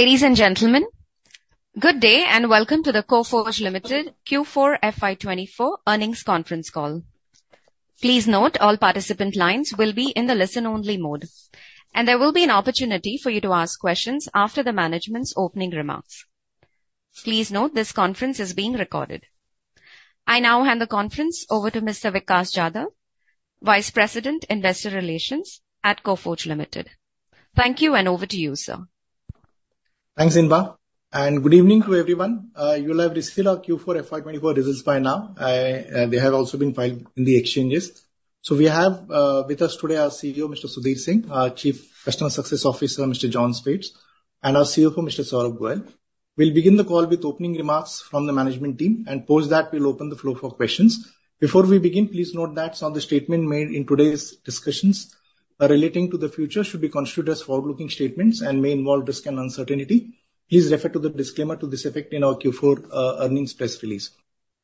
Ladies and gentlemen, good day, and welcome to the Coforge Limited Q4 FY 2024 earnings conference call. Please note all participant lines will be in the listen-only mode, and there will be an opportunity for you to ask questions after the management's opening remarks. Please note this conference is being recorded. I now hand the conference over to Mr. Vikas Jadhav, Vice President, Investor Relations at Coforge Limited. Thank you, and over to you, sir. Thanks, Inba, and good evening to everyone. You will have received our Q4 FY24 results by now. They have also been filed in the exchanges. So we have, with us today our CEO, Mr. Sudhir Singh, our Chief Customer Success Officer, Mr. John Speight, and our CFO, Mr. Saurabh Goel. We'll begin the call with opening remarks from the management team, and post that, we'll open the floor for questions. Before we begin, please note that some of the statement made in today's discussions, relating to the future should be considered as forward-looking statements and may involve risk and uncertainty. Please refer to the disclaimer to this effect in our Q4, earnings press release.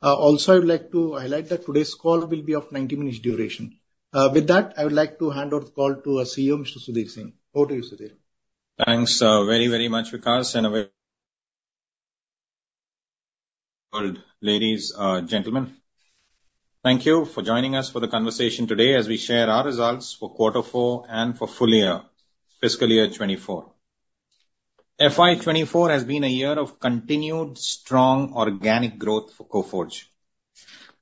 Also, I would like to highlight that today's call will be of 90 minutes duration. With that, I would like to hand over the call to our CEO, Mr. Sudhir Singh. Over to you, Sudhir. Thanks, very, very much, Vikas, and ladies, gentlemen. Thank you for joining us for the conversation today as we share our results for quarter four and for full year, fiscal year 2024. FY 2024 has been a year of continued strong organic growth for Coforge.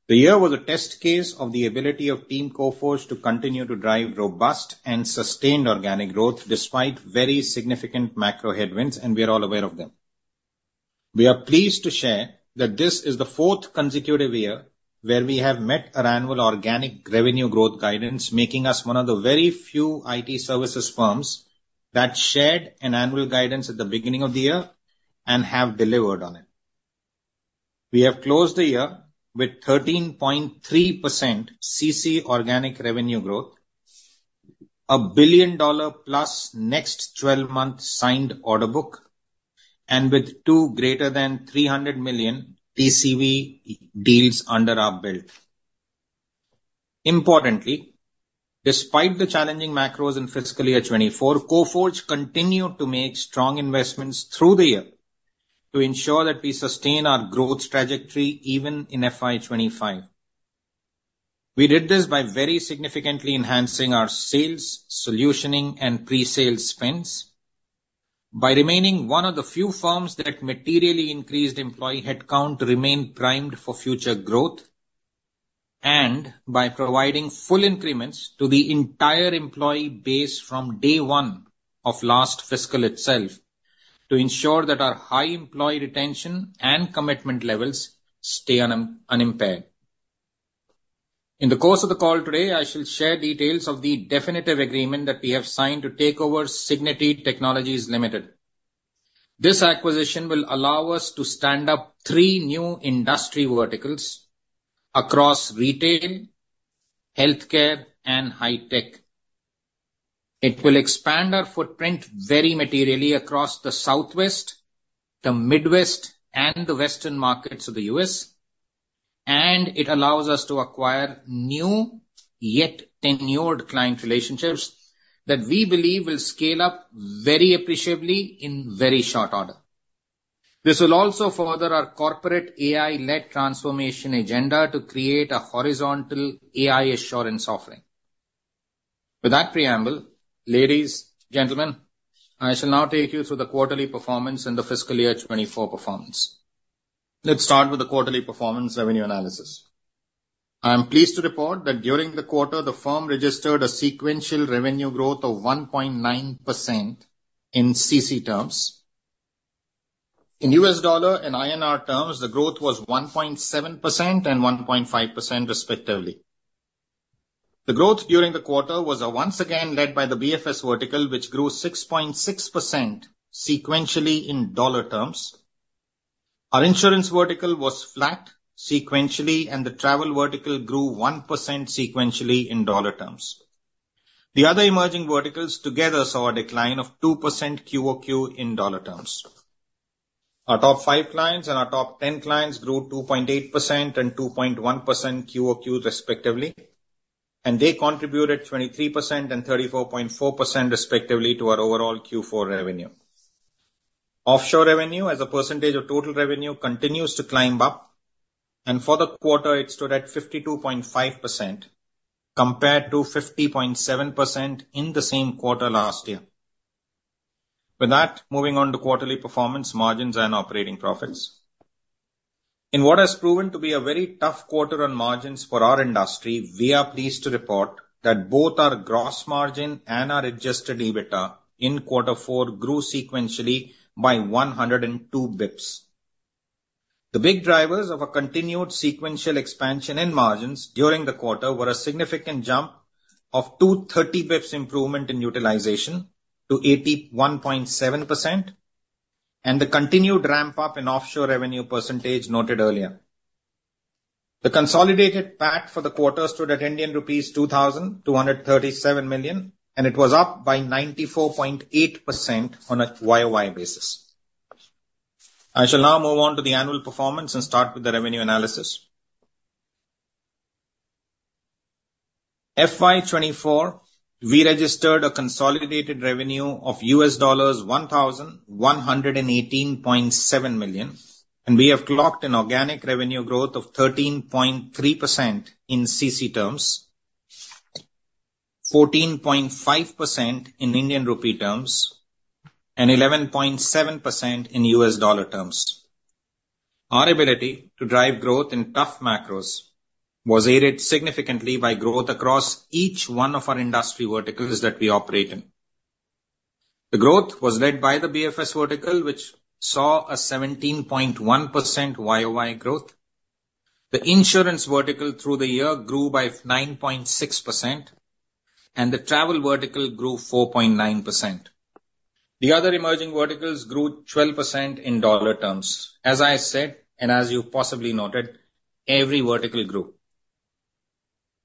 The year was a test case of the ability of Team Coforge to continue to drive robust and sustained organic growth despite very significant macro headwinds, and we are all aware of them. We are pleased to share that this is the fourth consecutive year where we have met our annual organic revenue growth guidance, making us one of the very few IT services firms that shared an annual guidance at the beginning of the year and have delivered on it. We have closed the year with 13.3% CC organic revenue growth, a $1 billion-plus next twelve-month signed order book, and with two > $300 million TCV deals under our belt. Importantly, despite the challenging macros in fiscal year 2024, Coforge continued to make strong investments through the year to ensure that we sustain our growth trajectory even in FY 2025. We did this by very significantly enhancing our sales, solutioning, and pre-sale spends, by remaining one of the few firms that materially increased employee headcount to remain primed for future growth, and by providing full increments to the entire employee base from day one of last fiscal itself to ensure that our high employee retention and commitment levels stay unimpaired. In the course of the call today, I shall share details of the definitive agreement that we have signed to take over Cigniti Technologies Limited. This acquisition will allow us to stand up three new industry verticals across retail, healthcare, and high tech. It will expand our footprint very materially across the Southwest, the Midwest, and the Western markets of the U.S., and it allows us to acquire new, yet tenured client relationships that we believe will scale up very appreciably in very short order. This will also further our corporate AI-led transformation agenda to create a horizontal AI assurance offering. With that preamble, ladies, gentlemen, I shall now take you through the quarterly performance and the fiscal year 2024 performance. Let's start with the quarterly performance revenue analysis. I am pleased to report that during the quarter, the firm registered a sequential revenue growth of 1.9% in CC terms. In U.S. dollar and INR terms, the growth was 1.7% and 1.5% respectively. The growth during the quarter was once again led by the BFS vertical, which grew 6.6% sequentially in dollar terms. Our insurance vertical was flat sequentially, and the travel vertical grew 1% sequentially in dollar terms. The other emerging verticals together saw a decline of 2% QOQ in dollar terms. Our top five clients and our top 10 clients grew 2.8% and 2.1% QOQ respectively, and they contributed 23% and 34.4% respectively to our overall Q4 revenue. Offshore revenue, as a percentage of total revenue, continues to climb up, and for the quarter, it stood at 52.5%, compared to 50.7% in the same quarter last year. With that, moving on to quarterly performance margins and operating profits. In what has proven to be a very tough quarter on margins for our industry, we are pleased to report that both our gross margin and our Adjusted EBITDA in quarter four grew sequentially by 102 basis points. The big drivers of a continued sequential expansion in margins during the quarter were a significant jump of 230 basis points improvement in utilization to 81.7% and the continued ramp-up in offshore revenue percentage noted earlier. The consolidated PAT for the quarter stood at Indian rupees 2,237 million, and it was up by 94.8% on a YOY basis. I shall now move on to the annual performance and start with the revenue analysis. FY 2024, we registered a consolidated revenue of $1,118.7 million, and we have clocked an organic revenue growth of 13.3% in CC terms, 14.5% in Indian rupee terms, and 11.7% in US dollar terms. Our ability to drive growth in tough macros was aided significantly by growth across each one of our industry verticals that we operate in. The growth was led by the BFS vertical, which saw a 17.1% YOY growth. The insurance vertical through the year grew by 9.6%, and the travel vertical grew 4.9%. The other emerging verticals grew 12% in dollar terms. As I said, and as you've possibly noted, every vertical grew.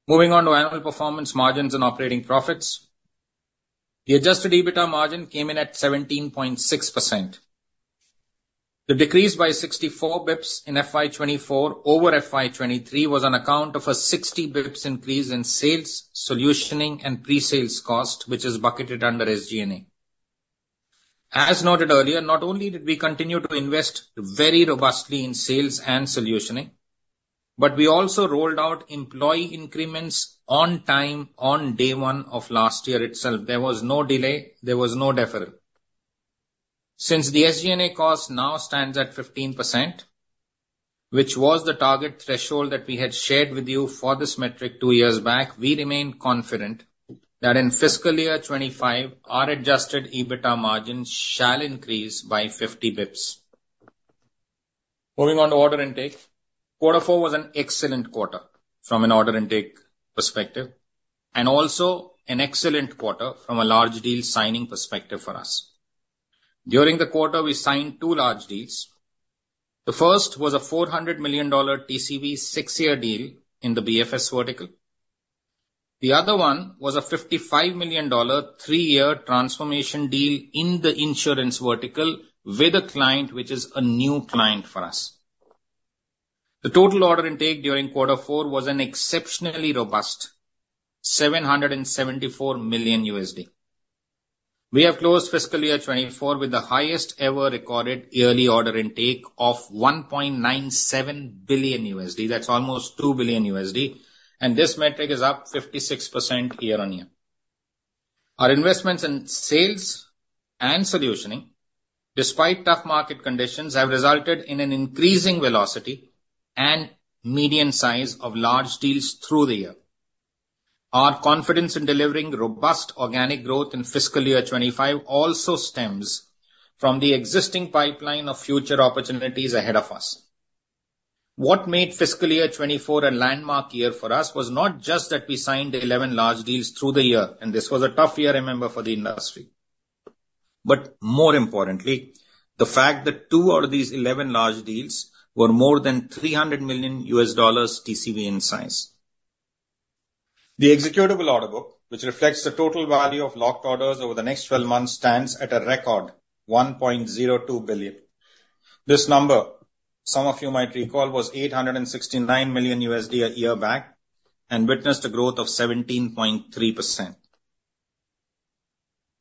Moving on to annual performance margins and operating profits. The adjusted EBITDA margin came in at 17.6%. The decrease by 64 basis points in FY 2024 over FY 2023 was on account of a 60 basis points increase in sales, solutioning, and pre-sales cost, which is bucketed under SG&A. As noted earlier, not only did we continue to invest very robustly in sales and solutioning, but we also rolled out employee increments on time, on day one of last year itself. There was no delay, there was no deferral. Since the SG&A cost now stands at 15%, which was the target threshold that we had shared with you for this metric two years back, we remain confident that in fiscal year 2025, our adjusted EBITDA margin shall increase by 50 basis points. Moving on to order intake. Quarter four was an excellent quarter from an order intake perspective, and also an excellent quarter from a large deal signing perspective for us. During the quarter, we signed two large deals. The first was a $400 million TCV six-year deal in the BFS vertical. The other one was a $55 million, three-year transformation deal in the insurance vertical with a client which is a new client for us. The total order intake during quarter four was an exceptionally robust $774 million. We have closed fiscal year 2024 with the highest ever recorded yearly order intake of $1.97 billion. That's almost $2 billion, and this metric is up 56% year-on-year. Our investments in sales and solutioning, despite tough market conditions, have resulted in an increasing velocity and median size of large deals through the year. Our confidence in delivering robust organic growth in fiscal year 2025 also stems from the existing pipeline of future opportunities ahead of us. What made fiscal year 2024 a landmark year for us was not just that we signed 11 large deals through the year, and this was a tough year, remember, for the industry. But more importantly, the fact that two out of these 11 large deals were more than $300 million TCV in size. The executable order book, which reflects the total value of locked orders over the next 12 months, stands at a record $1.02 billion. This number, some of you might recall, was $869 million a year back and witnessed a growth of 17.3%.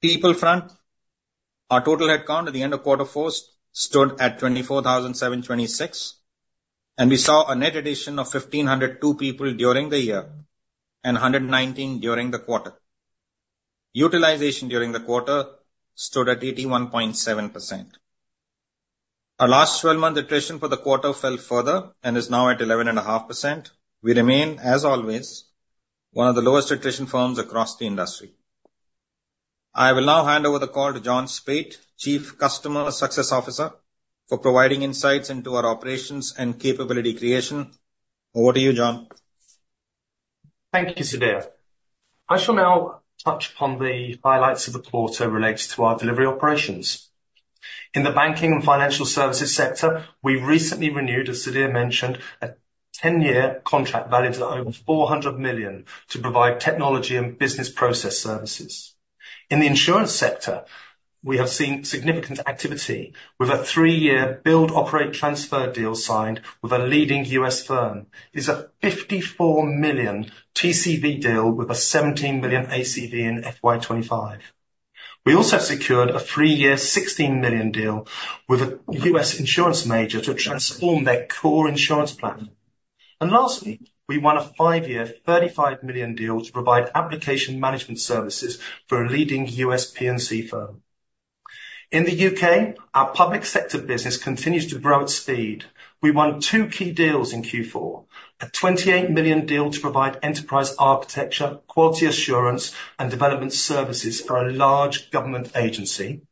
People front, our total headcount at the end of quarter four stood at 24,726, and we saw a net addition of 1,502 people during the year, and 119 during the quarter. Utilization during the quarter stood at 81.7%. Our last 12-month attrition for the quarter fell further and is now at 11.5%. We remain, as always, one of the lowest attrition firms across the industry. I will now hand over the call to John Speight, Chief Customer Success Officer, for providing insights into our operations and capability creation. Over to you, John. Thank you, Sudhir. I shall now touch upon the highlights of the quarter related to our delivery operations. In the banking and financial services sector, we recently renewed, as Sudhir mentioned, a 10-year contract valued at over $400 million, to provide technology and business process services. In the insurance sector, we have seen significant activity with a three-year build, operate, transfer deal signed with a leading U.S. firm. This is a $54 million TCV deal with a $17 million ACV in FY 2025. We also secured a 3-year, $16 million deal with a U.S. insurance major to transform their core insurance plan. And lastly, we won a 5-year, $35 million deal to provide application management services for a leading U.S. P&C firm. In the U.K., our public sector business continues to grow at speed. We won two key deals in Q4, a $28 million deal to provide enterprise architecture, quality assurance, and development services for a large government agency.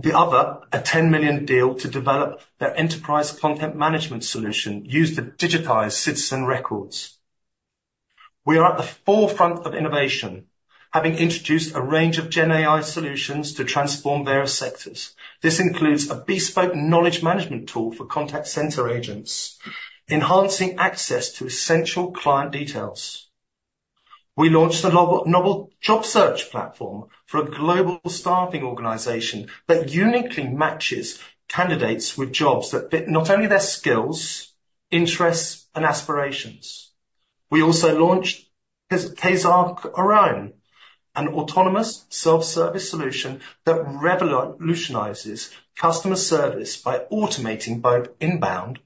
The other, a $10 million deal to develop their enterprise content management solution used to digitize citizen records. We are at the forefront of innovation, having introduced a range of GenAI solutions to transform various sectors. This includes a bespoke knowledge management tool for contact center agents, enhancing access to essential client details.... We launched a novel job search platform for a global staffing organization that uniquely matches candidates with jobs that fit not only their skills, interests, and aspirations. We also launched Quasar ARO, an autonomous self-service solution that revolutionizes customer service by automating both inbound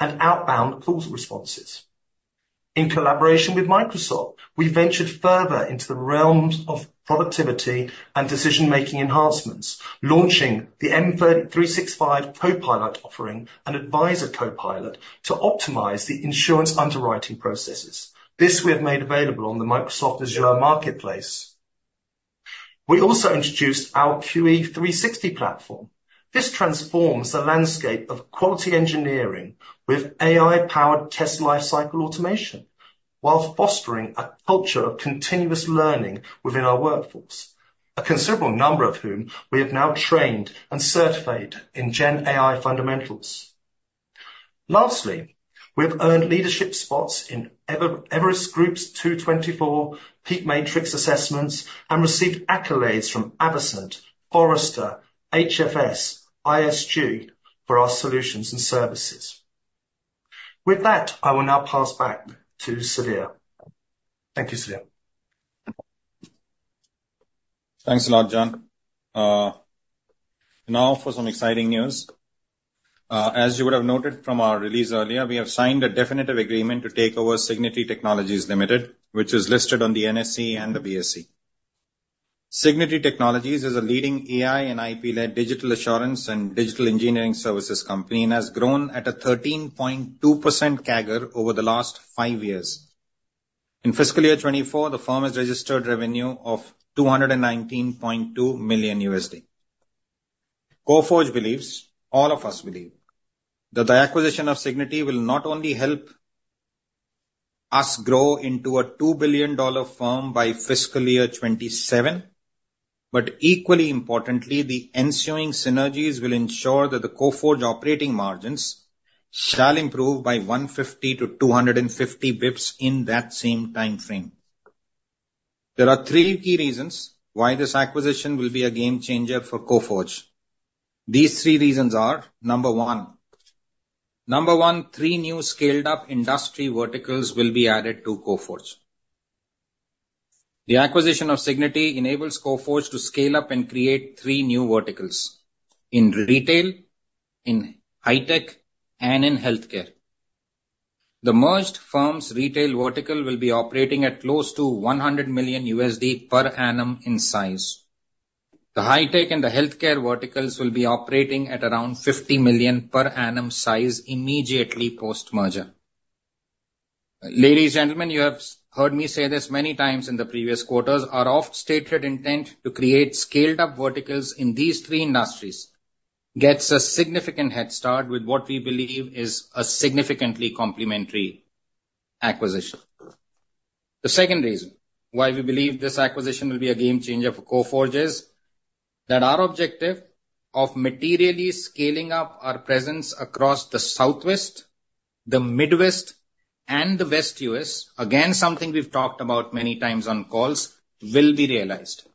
and outbound calls responses. In collaboration with Microsoft, we ventured further into the realms of productivity and decision-making enhancements, launching the M365 Copilot offering and Advisor Copilot to optimize the insurance underwriting processes. This we have made available on the Microsoft Azure marketplace. We also introduced our QE 360 platform. This transforms the landscape of quality engineering with AI-powered test lifecycle automation, while fostering a culture of continuous learning within our workforce, a considerable number of whom we have now trained and certified in GenAI fundamentals. Lastly, we have earned leadership spots in Everest Group's 2024 PEAK Matrix assessments, and received accolades from Avasant, Forrester, HFS, ISG for our solutions and services. With that, I will now pass back to Sudhir. Thank you, Sudhir. Thanks a lot, John. Now for some exciting news. As you would have noted from our release earlier, we have signed a definitive agreement to take over Cigniti Technologies Limited, which is listed on the NSE and the BSE. Cigniti Technologies is a leading AI and IP-led digital assurance and digital engineering services company, and has grown at a 13.2% CAGR over the last five years. In fiscal year 2024, the firm has registered revenue of $219.2 million. Coforge believes, all of us believe, that the acquisition of Cigniti will not only help us grow into a $2 billion firm by fiscal year 2027, but equally importantly, the ensuing synergies will ensure that the Coforge operating margins shall improve by 150-250 BPS in that same timeframe. There are three key reasons why this acquisition will be a game changer for Coforge. These three reasons are: number one. Number one, three new scaled-up industry verticals will be added to Coforge. The acquisition of Cigniti enables Coforge to scale up and create three new verticals: in retail, in high tech, and in healthcare. The merged firm's retail vertical will be operating at close to $100 million per annum in size. The high tech and the healthcare verticals will be operating at around $50 million per annum size immediately post-merger. Ladies, gentlemen, you have heard me say this many times in the previous quarters. Our oft-stated intent to create scaled-up verticals in these three industries gets a significant head start with what we believe is a significantly complementary acquisition. The second reason why we believe this acquisition will be a game changer for Coforge is that our objective of materially scaling up our presence across the Southwest, the Midwest, and the West U.S., again, something we've talked about many times on calls, will be realized.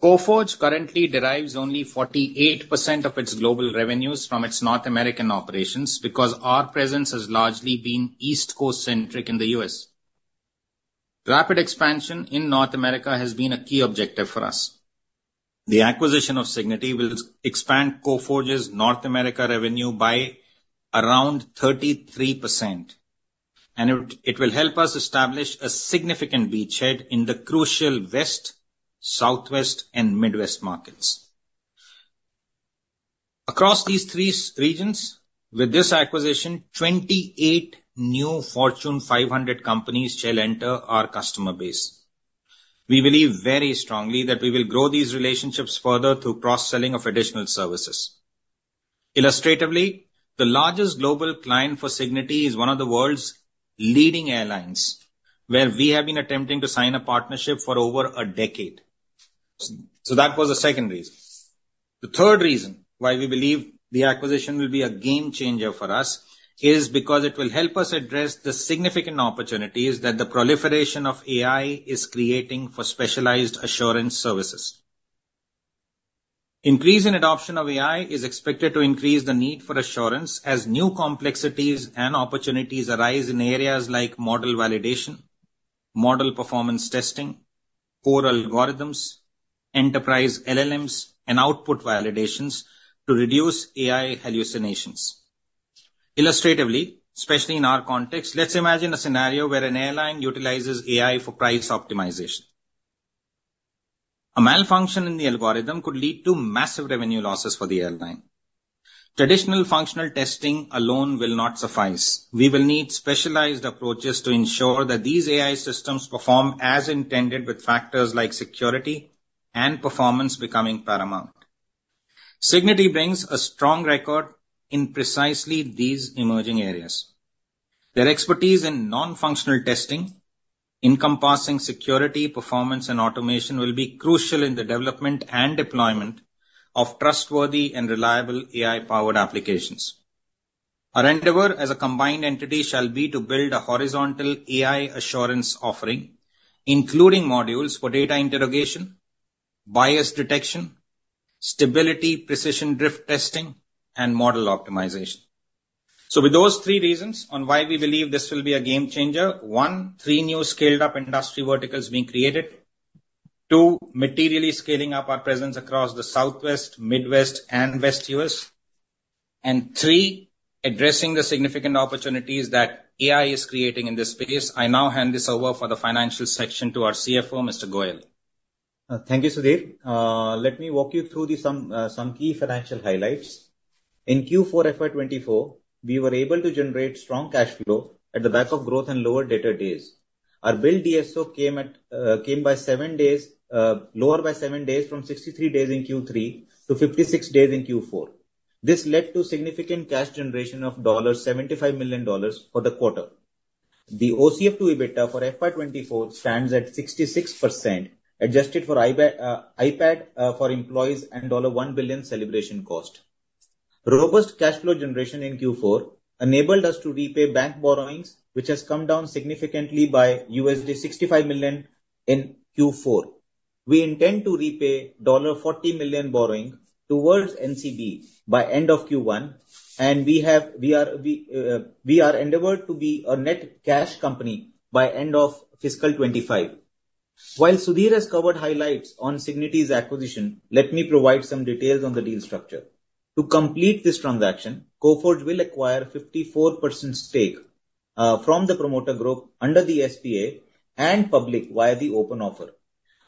Coforge currently derives only 48% of its global revenues from its North American operations because our presence has largely been East Coast centric in the U.S. Rapid expansion in North America has been a key objective for us. The acquisition of Cigniti will expand Coforge's North America revenue by around 33%, and it will help us establish a significant beachhead in the crucial West, Southwest, and Midwest markets. Across these three regions, with this acquisition, 28 new Fortune 500 companies shall enter our customer base. We believe very strongly that we will grow these relationships further through cross-selling of additional services. Illustratively, the largest global client for Cigniti is one of the world's leading airlines, where we have been attempting to sign a partnership for over a decade. So that was the second reason. The third reason why we believe the acquisition will be a game changer for us, is because it will help us address the significant opportunities that the proliferation of AI is creating for specialized assurance services. Increasing adoption of AI is expected to increase the need for assurance as new complexities and opportunities arise in areas like model validation, model performance testing, core algorithms, enterprise LLMs, and output validations to reduce AI hallucinations. Illustratively, especially in our context, let's imagine a scenario where an airline utilizes AI for price optimization. A malfunction in the algorithm could lead to massive revenue losses for the airline. Traditional functional testing alone will not suffice. We will need specialized approaches to ensure that these AI systems perform as intended, with factors like security and performance becoming paramount. Cigniti brings a strong record in precisely these emerging areas. Their expertise in non-functional testing, encompassing security, performance, and automation, will be crucial in the development and deployment of trustworthy and reliable AI-powered applications.... Our endeavor as a combined entity shall be to build a horizontal AI assurance offering, including modules for data interrogation, bias detection, stability, precision drift testing, and model optimization. So with those three reasons on why we believe this will be a game changer, one, three new scaled up industry verticals being created. Two, materially scaling up our presence across the Southwest, Midwest, and West U.S. And three, addressing the significant opportunities that AI is creating in this space. I now hand this over for the financial section to our CFO, Mr. Goel. Thank you, Sudhir. Let me walk you through some key financial highlights. In Q4 FY 2024, we were able to generate strong cash flow at the back of growth and lower DSO days. Our billed DSO came lower by seven days from 63 days in Q3 to 56 days in Q4. This led to significant cash generation of $75 million for the quarter. The OCF to EBITDA for FY 2024 stands at 66%, adjusted for ESOP, one-time, for employees and $1 billion celebration cost. Robust cash flow generation in Q4 enabled us to repay bank borrowings, which has come down significantly by $65 million in Q4. We intend to repay $40 million borrowing towards NCD by end of Q1, and we are endeavored to be a net cash company by end of fiscal 2025. While Sudhir has covered highlights on Cigniti's acquisition, let me provide some details on the deal structure. To complete this transaction, Coforge will acquire 54% stake from the promoter group under the SPA and public via the open offer,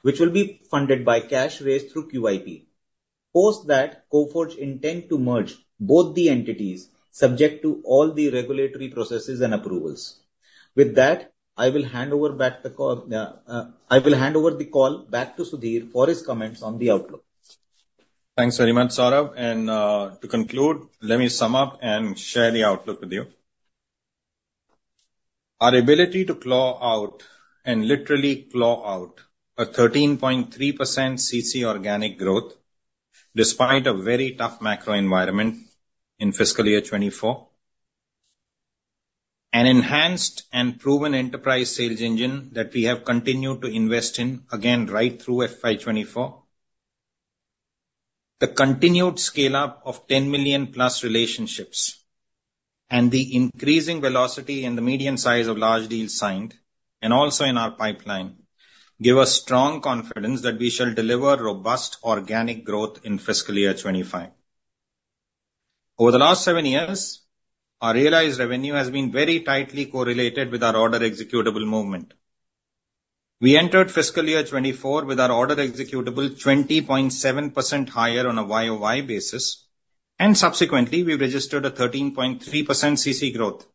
which will be funded by cash raised through QIP. Post that, Coforge intend to merge both the entities, subject to all the regulatory processes and approvals. With that, I will hand over the call back to Sudhir for his comments on the outlook. Thanks very much, Saurabh. And, to conclude, let me sum up and share the outlook with you. Our ability to claw out and literally claw out a 13.3% CC organic growth, despite a very tough macro environment in fiscal year 2024. An enhanced and proven enterprise sales engine that we have continued to invest in, again, right through FY 2024. The continued scale-up of 10 million-plus relationships and the increasing velocity in the median size of large deals signed, and also in our pipeline, give us strong confidence that we shall deliver robust organic growth in fiscal year 2025. Over the last seven years, our realized revenue has been very tightly correlated with our order executable movement. We entered fiscal year 2024 with our order executable 20.7% higher on a YOY basis, and subsequently, we registered a 13.3% CC growth.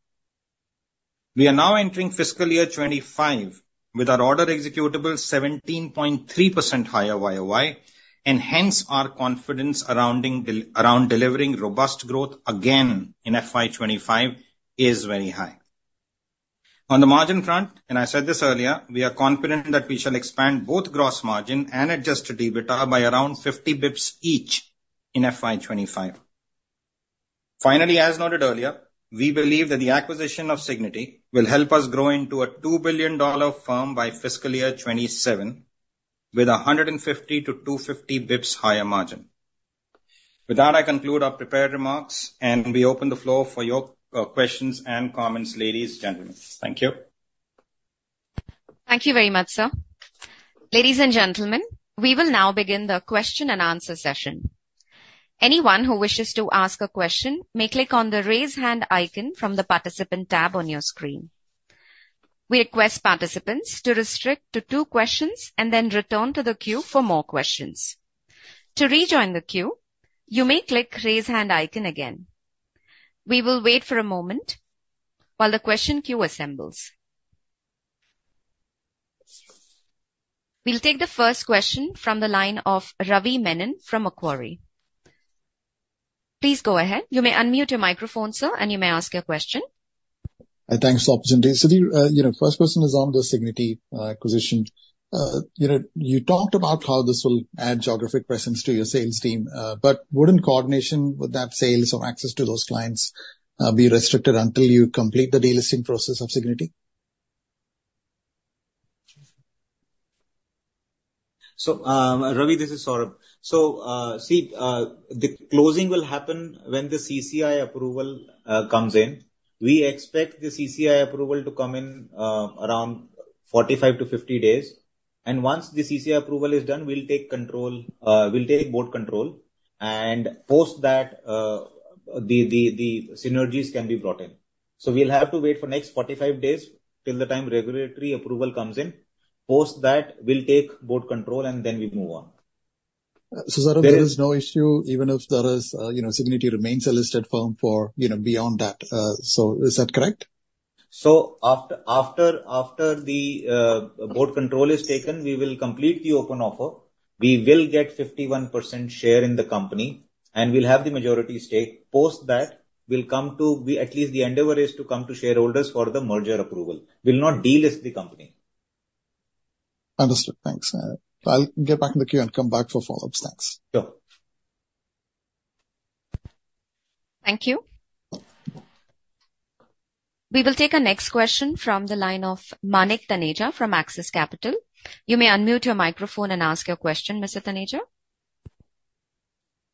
We are now entering fiscal year 25 with our order executable 17.3% higher year-over-year, and hence our confidence around delivering robust growth again in FY 25 is very high. On the margin front, and I said this earlier, we are confident that we shall expand both gross margin and adjusted EBITDA by around 50 basis points each in FY 25. Finally, as noted earlier, we believe that the acquisition of Cigniti will help us grow into a $2 billion firm by fiscal year 27, with a 150-250 basis points higher margin. With that, I conclude our prepared remarks, and we open the floor for your questions and comments, ladies, gentlemen. Thank you. Thank you very much, sir. Ladies and gentlemen, we will now begin the question and answer session. Anyone who wishes to ask a question may click on the Raise Hand icon from the Participant tab on your screen. We request participants to restrict to two questions and then return to the queue for more questions. To rejoin the queue, you may click Raise Hand icon again. We will wait for a moment while the question queue assembles. We'll take the first question from the line of Ravi Menon from Macquarie. Please go ahead. You may unmute your microphone, sir, and you may ask your question. Thanks for the opportunity. Sudhir, you know, first question is on the Cigniti acquisition. You know, you talked about how this will add geographic presence to your sales team, but wouldn't coordination with that sales or access to those clients be restricted until you complete the delisting process of Cigniti? So, Ravi, this is Saurabh. So, see, the closing will happen when the CCI approval comes in. We expect the CCI approval to come in around 45-50 days. And once the CCI approval is done, we'll take control, we'll take board control, and post that, the synergies can be brought in. So we'll have to wait for next 45 days till the time regulatory approval comes in. Post that, we'll take board control, and then we move on. So, Saurabh, there is no issue, even if there is, you know, Cigniti remains a listed firm for, you know, beyond that. So, is that correct? So after the board control is taken, we will complete the open offer. We will get 51% share in the company, and we'll have the majority stake. Post that, we'll come to... We'll at least endeavor to come to shareholders for the merger approval. We'll not delist the company. Understood. Thanks, I'll get back in the queue and come back for follow-ups. Thanks. Sure. Thank you. We will take our next question from the line of Manik Taneja from Axis Capital. You may unmute your microphone and ask your question, Mr. Taneja.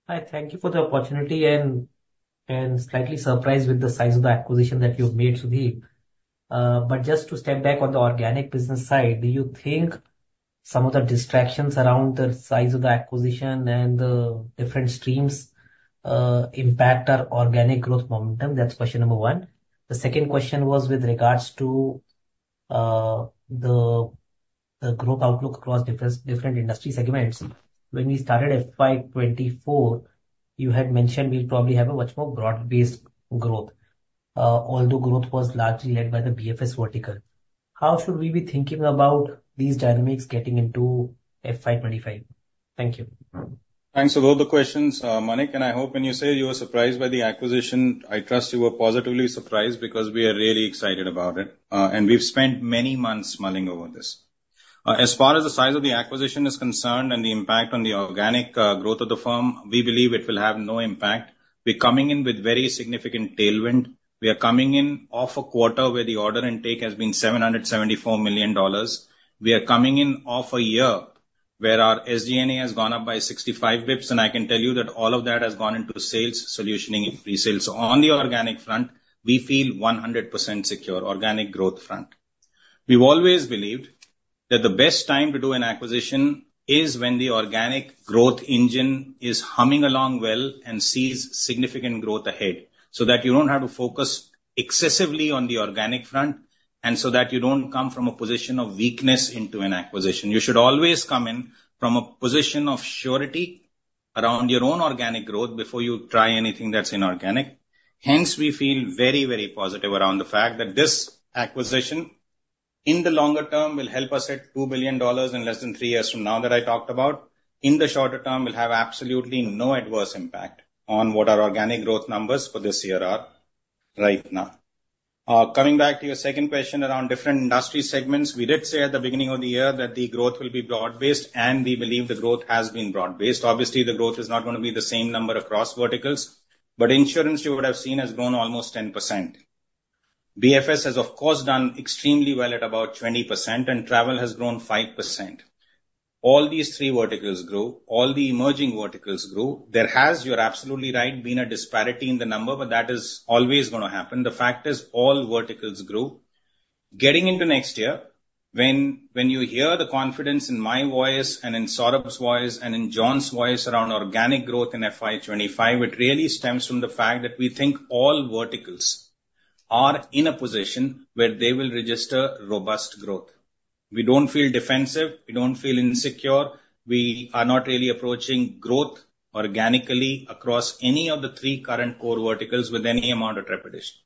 Hi, thank you for the opportunity, and slightly surprised with the size of the acquisition that you've made, Sudhir. But just to step back on the organic business side, do you think some of the distractions around the size of the acquisition and the different streams impact our organic growth momentum? That's question number one. The second question was with regards to the growth outlook across different industry segments. When we started FY 2024, you had mentioned we'll probably have a much more broad-based growth, although growth was largely led by the BFS vertical. How should we be thinking about these dynamics getting into FY 2025? Thank you. Thanks for both the questions, Manik, and I hope when you say you were surprised by the acquisition, I trust you were positively surprised, because we are really excited about it, and we've spent many months mulling over this. As far as the size of the acquisition is concerned and the impact on the organic, growth of the firm, we believe it will have no impact. We're coming in with very significant tailwind. We are coming in off a quarter where the order intake has been $774 million. We are coming in off a year where our SG&A has gone up by 65 basis points, and I can tell you that all of that has gone into sales, solutioning, and pre-sales. So on the organic front, we feel 100% secure, organic growth front. We've always believed that the best time to do an acquisition is when the organic growth engine is humming along well and sees significant growth ahead, so that you don't have to focus excessively on the organic front, and so that you don't come from a position of weakness into an acquisition. You should always come in from a position of surety around your own organic growth before you try anything that's inorganic. Hence, we feel very, very positive around the fact that this acquisition, in the longer term, will help us hit $2 billion in less than three years from now that I talked about. In the shorter term, will have absolutely no adverse impact on what our organic growth numbers for this year are right now. Coming back to your second question around different industry segments, we did say at the beginning of the year that the growth will be broad-based, and we believe the growth has been broad-based. Obviously, the growth is not gonna be the same number across verticals, but insurance, you would have seen, has grown almost 10%. BFS has, of course, done extremely well at about 20%, and travel has grown 5%. All these three verticals grew. All the emerging verticals grew. There has, you're absolutely right, been a disparity in the number, but that is always gonna happen. The fact is, all verticals grew. Getting into next year, when, when you hear the confidence in my voice and in Saurabh's voice and in John's voice around organic growth in FY 25, it really stems from the fact that we think all verticals are in a position where they will register robust growth. We don't feel defensive. We don't feel insecure. We are not really approaching growth organically across any of the three current core verticals with any amount of trepidation.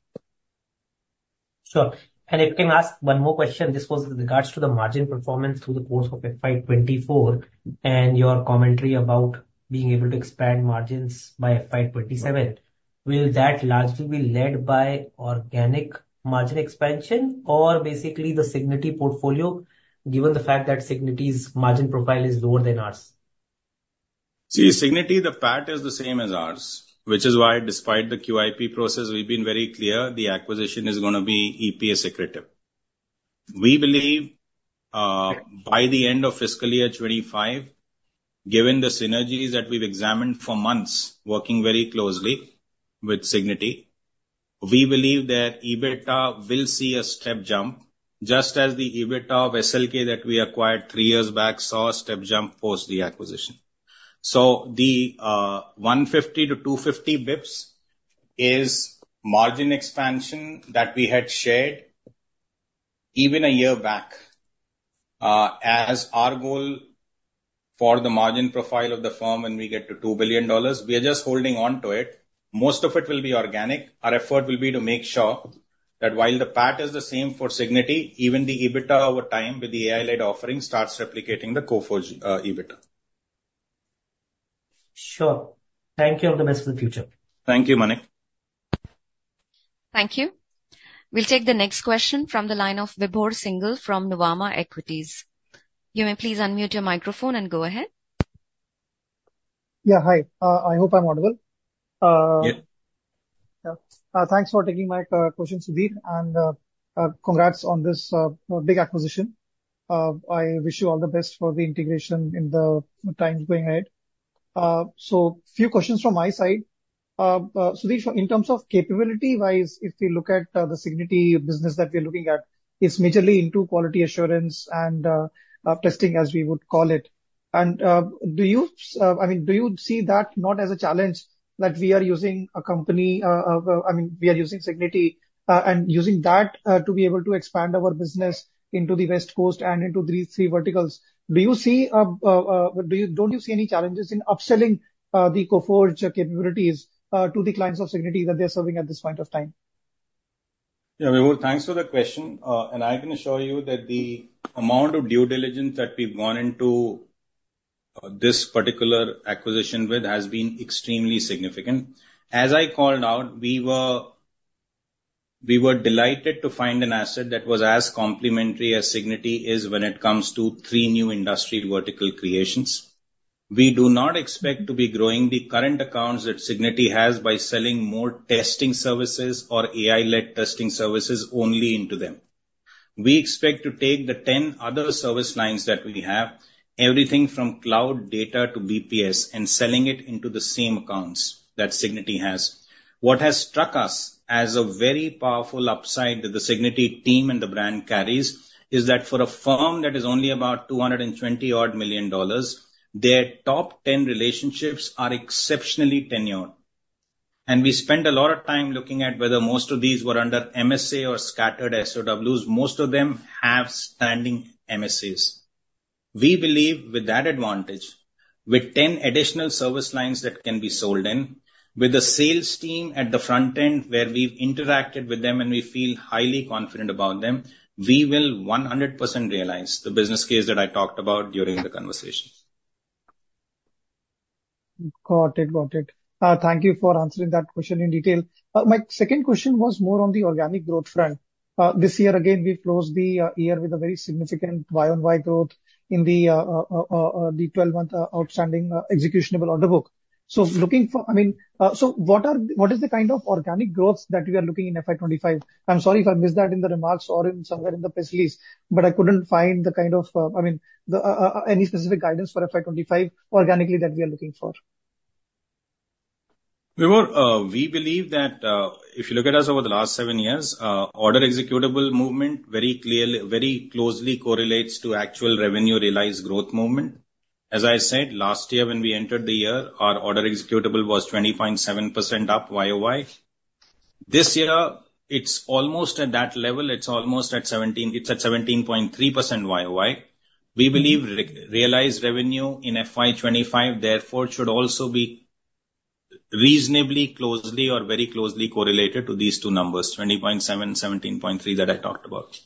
Sure. And if I can ask one more question, this was with regards to the margin performance through the course of FY 2024 and your commentary about being able to expand margins by FY 2027. Will that largely be led by organic margin expansion or basically the Cigniti portfolio, given the fact that Cigniti's margin profile is lower than ours? See, Cigniti, the PAT is the same as ours, which is why, despite the QIP process, we've been very clear the acquisition is gonna be EPS accretive. We believe, by the end of fiscal year 2025, given the synergies that we've examined for months, working very closely with Cigniti, we believe that EBITDA will see a step jump, just as the EBITDA of SLK that we acquired three years back saw a step jump post the acquisition. So the, 150-250 bps is margin expansion that we had shared even a year back, as our goal for the margin profile of the firm when we get to $2 billion. We are just holding on to it. Most of it will be organic. Our effort will be to make sure that while the PAT is the same for Cigniti, even the EBITDA over time with the AI-led offering starts replicating the Coforge EBITDA. Sure. Thank you. All the best for the future. Thank you, Manik. Thank you. We'll take the next question from the line of Vibhor Singhal from Nuvama Equities. You may please unmute your microphone and go ahead. Yeah, hi. I hope I'm audible. Yep. Yeah. Thanks for taking my question, Sudhir, and congrats on this big acquisition. I wish you all the best for the integration in the times going ahead. So few questions from my side. Sudhir, in terms of capability-wise, if we look at the Cigniti business that we're looking at, it's majorly into quality assurance and testing, as we would call it. And do you, I mean, do you see that not as a challenge, that we are using a company. I mean, we are using Cigniti and using that to be able to expand our business into the West Coast and into these three verticals? Don't you see any challenges in upselling the Coforge capabilities to the clients of Cigniti that they're serving at this point of time? Yeah, Vibhor, thanks for the question. I can assure you that the amount of due diligence that we've gone into this particular acquisition with has been extremely significant. As I called out, we were delighted to find an asset that was as complementary as Cigniti is when it comes to three new industry vertical creations. We do not expect to be growing the current accounts that Cigniti has by selling more testing services or AI-led testing services only into them. We expect to take the 10 other service lines that we have, everything from cloud data to BPS, and selling it into the same accounts that Cigniti has. What has struck us as a very powerful upside that the Cigniti team and the brand carries is that for a firm that is only about $220-odd million, their top 10 relationships are exceptionally tenured. We spent a lot of time looking at whether most of these were under MSA or scattered SOWs. Most of them have standing MSAs. We believe, with that advantage, with 10 additional service lines that can be sold in, with a sales team at the front end, where we've interacted with them and we feel highly confident about them, we will 100% realize the business case that I talked about during the conversation. Got it, got it. Thank you for answering that question in detail. My second question was more on the organic growth front. This year, again, we closed the year with a very significant Y on Y growth in the 12-month outstanding executable order book. So looking for—I mean, so what are—what is the kind of organic growths that we are looking in FY 25? I'm sorry if I missed that in the remarks or in somewhere in the press release, but I couldn't find the kind of—I mean, the any specific guidance for FY 25, organically, that we are looking for. Vibhor, we believe that, if you look at us over the last seven years, order executable movement very clearly, very closely correlates to actual revenue realized growth movement. As I said, last year, when we entered the year, our order executable was 20.7% up YOY. This year, it's almost at that level. It's almost at seventeen, it's at 17.3% YOY. We believe realized revenue in FY 2025, therefore, should also be reasonably closely or very closely correlated to these two numbers, 20.7, 17.3, that I talked about.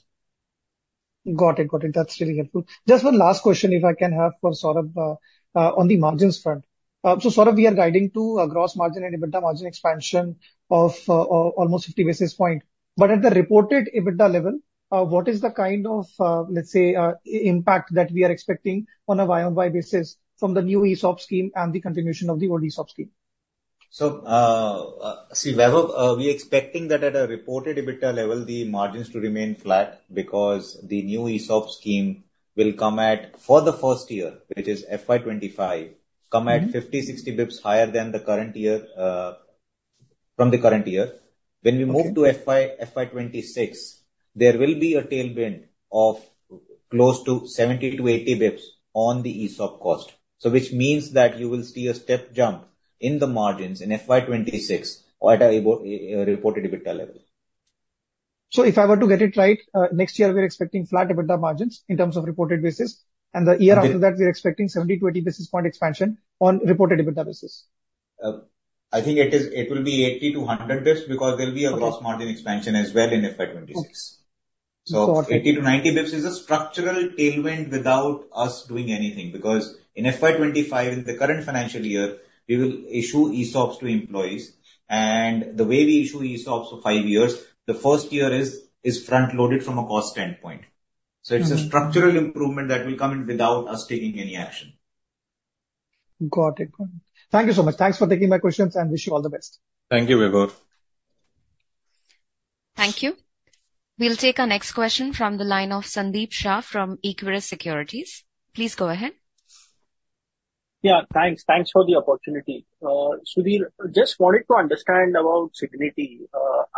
Got it, got it. That's really helpful. Just one last question, if I can have for Saurabh on the margins front. So, Saurabh, we are guiding to a gross margin and EBITDA margin expansion of almost 50 basis points. But at the reported EBITDA level, what is the kind of, let's say, impact that we are expecting on a Y on Y basis from the new ESOP scheme and the continuation of the old ESOP scheme? See, Vibhor, we're expecting that at a reported EBITDA level, the margins to remain flat because the new ESOP scheme will come at, for the first year, which is FY 2025, come at 50-60 basis points higher than the current year, from the current year. Okay. When we move to FY 2026, there will be a tailwind of close to 70-80 bps on the ESOP cost. So which means that you will see a step jump in the margins in FY 2026 at a EBITDA-reported EBITDA level. So if I were to get it right, next year, we're expecting flat EBITDA margins in terms of reported basis, and the year after that- Okay. We're expecting 70-80 basis point expansion on reported EBITDA basis. I think it will be 80-100 bps, because there'll be a- Okay Gross margin expansion as well in FY 2026. Okay. Got it. 80-90 basis points is a structural tailwind without us doing anything, because in FY 2025, in the current financial year, we will issue ESOPs to employees. The way we issue ESOPs for five years, the first year is front-loaded from a cost standpoint. Mm-hmm. So it's a structural improvement that will come in without us taking any action. Got it, got it. Thank you so much. Thanks for taking my questions, and wish you all the best. Thank you, Vibhor. Thank you. We'll take our next question from the line of Sandeep Shah from Equirus Securities. Please go ahead. Yeah, thanks. Thanks for the opportunity. Sudhir, just wanted to understand about Cigniti.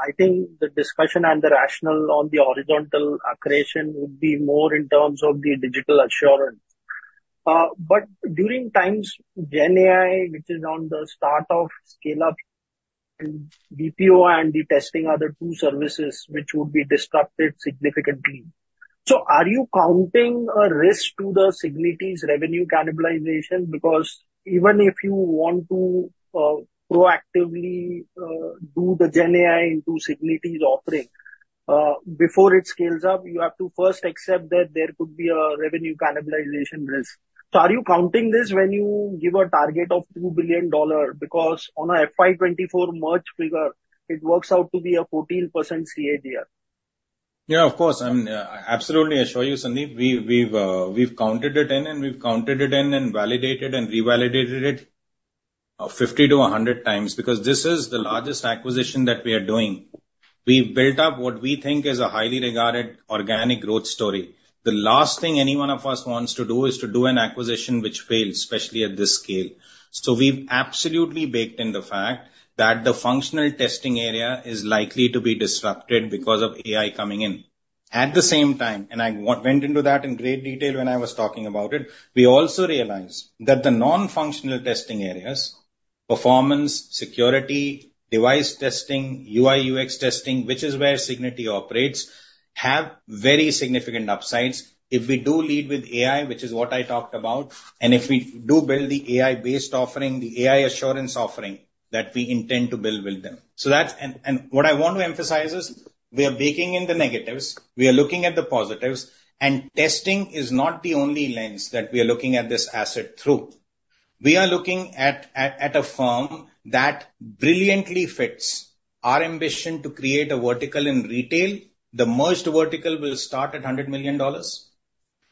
I think the discussion and the rationale on the horizontal accretion would be more in terms of the digital assurance. But during times Gen AI, which is on the start of scale-up and BPO and the testing other two services, which would be disrupted significantly. So are you counting a risk to the Cigniti's revenue cannibalization? Because even if you want to, proactively, do the Gen AI into Cigniti's offering, before it scales up, you have to first accept that there could be a revenue cannibalization risk. So are you counting this when you give a target of $2 billion? Because on a FY 2024 merge figure, it works out to be a 14% CAGR. Yeah, of course. I assure you, Sandeep, we've counted it in, and we've counted it in and validated and revalidated it, 50-100 times, because this is the largest acquisition that we are doing. We've built up what we think is a highly regarded organic growth story. The last thing any one of us wants to do is to do an acquisition which fails, especially at this scale. So we've absolutely baked in the fact that the functional testing area is likely to be disrupted because of AI coming in. At the same time, and I went into that in great detail when I was talking about it, we also realized that the non-functional testing areas, performance, security, device testing, UI/UX testing, which is where Cigniti operates, have very significant upsides. If we do lead with AI, which is what I talked about, and if we do build the AI-based offering, the AI assurance offering, that we intend to build with them. So that's... And what I want to emphasize is, we are baking in the negatives, we are looking at the positives, and testing is not the only lens that we are looking at this asset through. We are looking at a firm that brilliantly fits our ambition to create a vertical in retail. The merged vertical will start at $100 million.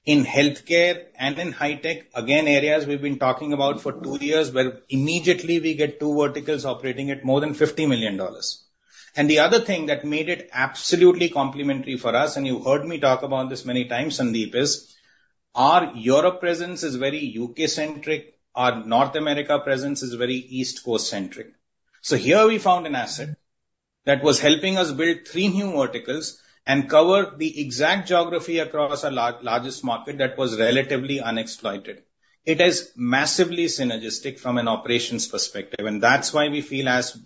In healthcare and in high tech, again, areas we've been talking about for two years, where immediately we get two verticals operating at more than $50 million. And the other thing that made it absolutely complementary for us, and you heard me talk about this many times, Sandeep, is our Europe presence is very U.K.-centric, our North America presence is very East Coast-centric. So here we found an asset that was helping us build three new verticals and cover the exact geography across our largest market that was relatively unexploited. It is massively synergistic from an operations perspective, and that's why we feel as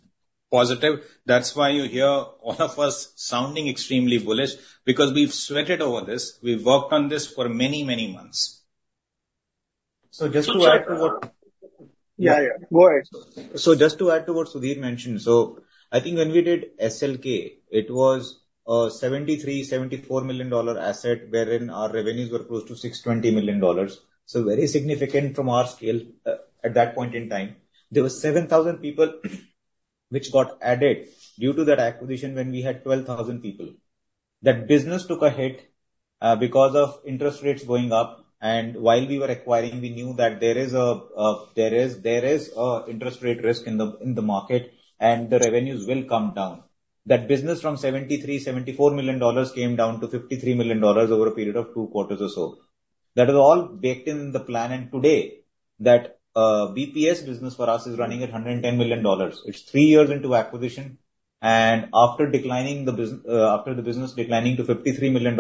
positive. That's why you hear all of us sounding extremely bullish, because we've sweated over this. We've worked on this for many, many months. So just to add to what- Yeah, yeah. Go ahead. So just to add to what Sudhir mentioned. So I think when we did SLK, it was a $73-$74 million asset, wherein our revenues were close to $620 million. So very significant from our scale at that point in time. There were 7,000 people which got added due to that acquisition when we had 12,000 people. That business took a hit because of interest rates going up, and while we were acquiring, we knew that there is an interest rate risk in the market, and the revenues will come down. That business from $73-$74 million came down to $53 million over a period of two quarters or so. That is all baked in the plan, and today, that BPS business for us is running at $110 million. It's three years into acquisition, and after the business declining to $53 million,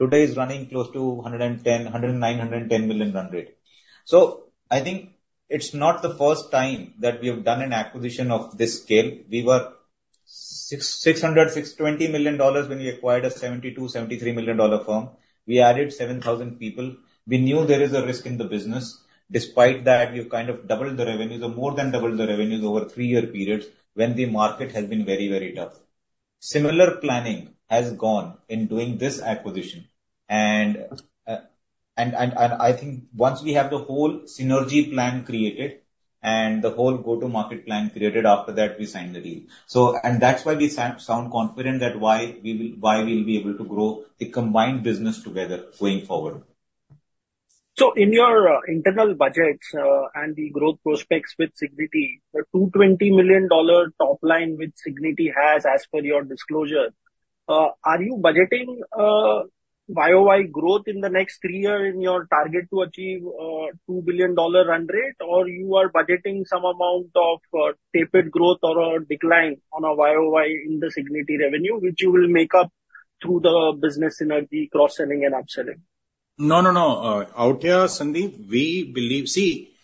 today it's running close to 110, 109, 110 million run rate. So I think it's not the first time that we have done an acquisition of this scale. We were 620 million dollars when we acquired a $72-$73 million firm. We added 7,000 people. We knew there is a risk in the business. Despite that, we've kind of doubled the revenues or more than doubled the revenues over a three-year period when the market has been very, very tough. Similar planning has gone in doing this acquisition. I think once we have the whole synergy plan created and the whole go-to-market plan created, after that, we signed the deal. So and that's why we sound confident that why we'll be able to grow the combined business together going forward. So in your internal budgets and the growth prospects with Cigniti, the $220 million top line which Cigniti has, as per your disclosure, are you budgeting YOY growth in the next three year in your target to achieve a $2 billion run rate? Or you are budgeting some amount of tapered growth or a decline on a YOY in the Cigniti revenue, which you will make up through the business synergy, cross-selling and upselling? No, no, no. Out here, Sandip, we believe. See,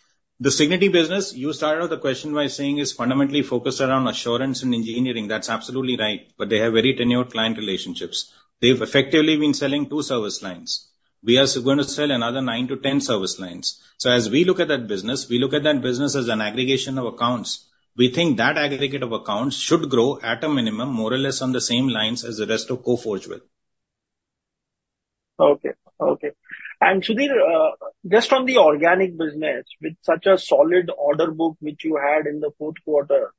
the Cigniti business, you started off the question by saying it's fundamentally focused around assurance and engineering. That's absolutely right, but they have very tenured client relationships. They've effectively been selling two service lines. We are going to sell another 9-10 service lines. So as we look at that business, we look at that business as an aggregation of accounts. We think that aggregate of accounts should grow at a minimum, more or less on the same lines as the rest of Coforge will. Okay. Okay. And, Sudhir, just on the organic business, with such a solid order book which you had in the fourth quarter,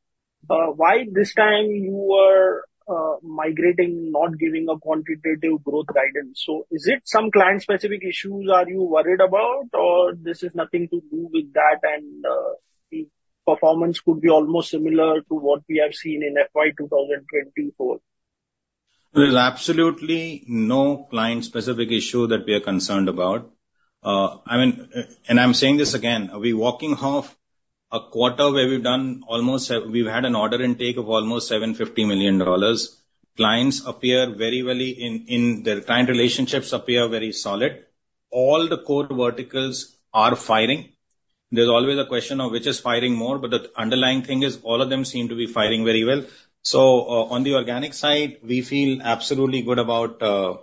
why this time you are migrating, not giving a quantitative growth guidance? So is it some client-specific issues are you worried about, or this is nothing to do with that and, the performance could be almost similar to what we have seen in FY 2024? There is absolutely no client-specific issue that we are concerned about. I mean, and I'm saying this again, we're walking off a quarter where we've done almost we've had an order intake of almost $750 million. Clients appear very well. The client relationships appear very solid. All the core verticals are firing. There's always a question of which is firing more, but the underlying thing is all of them seem to be firing very well. So on the organic side, we feel absolutely good about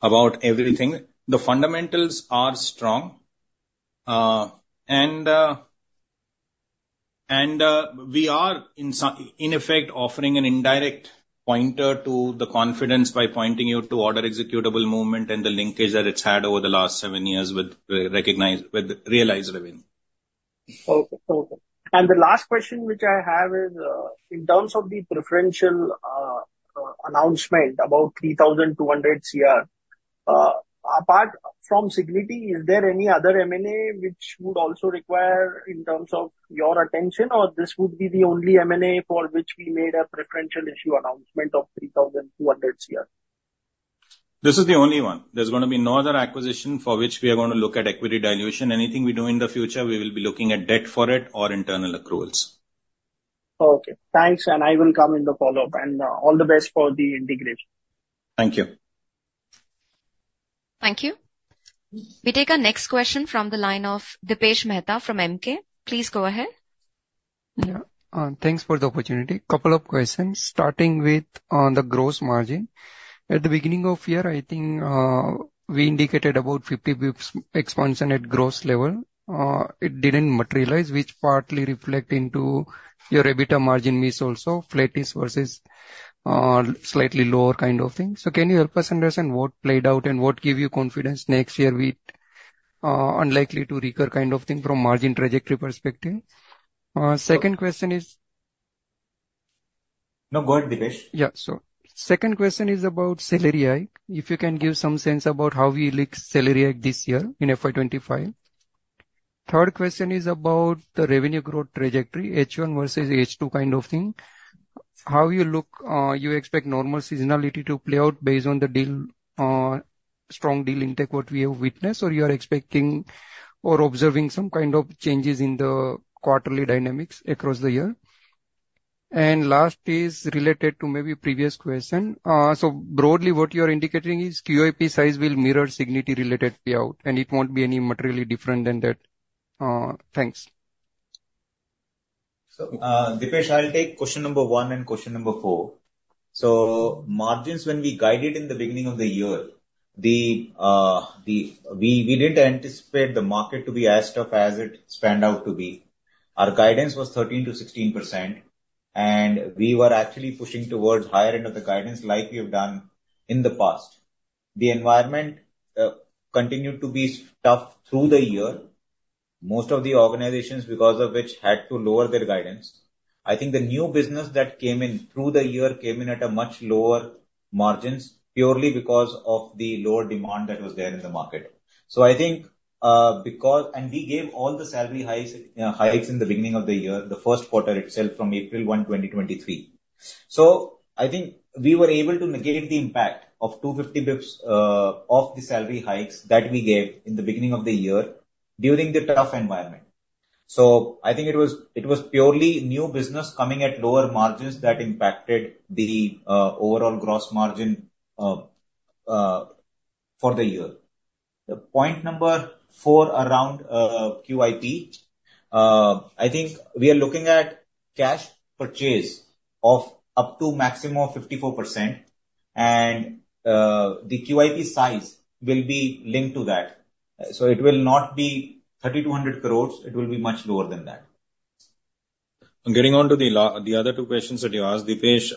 about everything. The fundamentals are strong. And we are, in effect, offering an indirect pointer to the confidence by pointing you to order executable movement and the linkage that it's had over the last seven years with revenue recognition with realized revenue. Okay. Okay. And the last question which I have is, in terms of the preferential announcement, about 3,200 crore, apart from Cigniti, is there any other M&A which would also require in terms of your attention, or this would be the only M&A for which we made a preferential issue announcement of 3,200 crore? This is the only one. There's gonna be no other acquisition for which we are gonna look at equity dilution. Anything we do in the future, we will be looking at debt for it or internal accruals. Okay. Thanks, and I will come in the follow-up. All the best for the integration. Thank you. Thank you. We take our next question from the line of Dipesh Mehta from Emkay. Please go ahead. Yeah. Thanks for the opportunity. Couple of questions, starting with, the gross margin. At the beginning of year, I think, we indicated about 50 BPS expansion at gross level. It didn't materialize, which partly reflect into your EBITDA margin mix also, flattish versus, slightly lower kind of thing. So can you help us understand what played out and what give you confidence next year will, unlikely to recur kind of thing from margin trajectory perspective? Second question is- No, go ahead, Dipesh. Yeah, so second question is about salary hike. If you can give some sense about how we look salary hike this year in FY 25. Third question is about the revenue growth trajectory, H1 versus H2 kind of thing. How you look, you expect normal seasonality to play out based on the deal, strong deal intake, what we have witnessed, or you are expecting or observing some kind of changes in the quarterly dynamics across the year? And last is related to maybe previous question. So broadly, what you are indicating is QIP size will mirror Cigniti-related payout, and it won't be any materially different than that. Thanks. So, Dipesh, I'll take question number one and question number four. So margins, when we guided in the beginning of the year, the we didn't anticipate the market to be as tough as it panned out to be. Our guidance was 13%-16%, and we were actually pushing towards higher end of the guidance like we have done in the past. The environment continued to be tough through the year. Most of the organizations, because of which, had to lower their guidance. I think the new business that came in through the year came in at a much lower margins, purely because of the lower demand that was there in the market. So I think, because... And we gave all the salary hikes in the beginning of the year, the first quarter itself from April 1, 2023. So I think we were able to negate the impact of 250 basis points of the salary hikes that we gave in the beginning of the year during the tough environment. So I think it was, it was purely new business coming at lower margins that impacted the overall gross margin for the year. The point number four, around QIP. I think we are looking at cash purchase of up to maximum of 54%, and the QIP size will be linked to that. So it will not be 3,200 crore, it will be much lower than that. Getting on to the other two questions that you asked, Dipesh.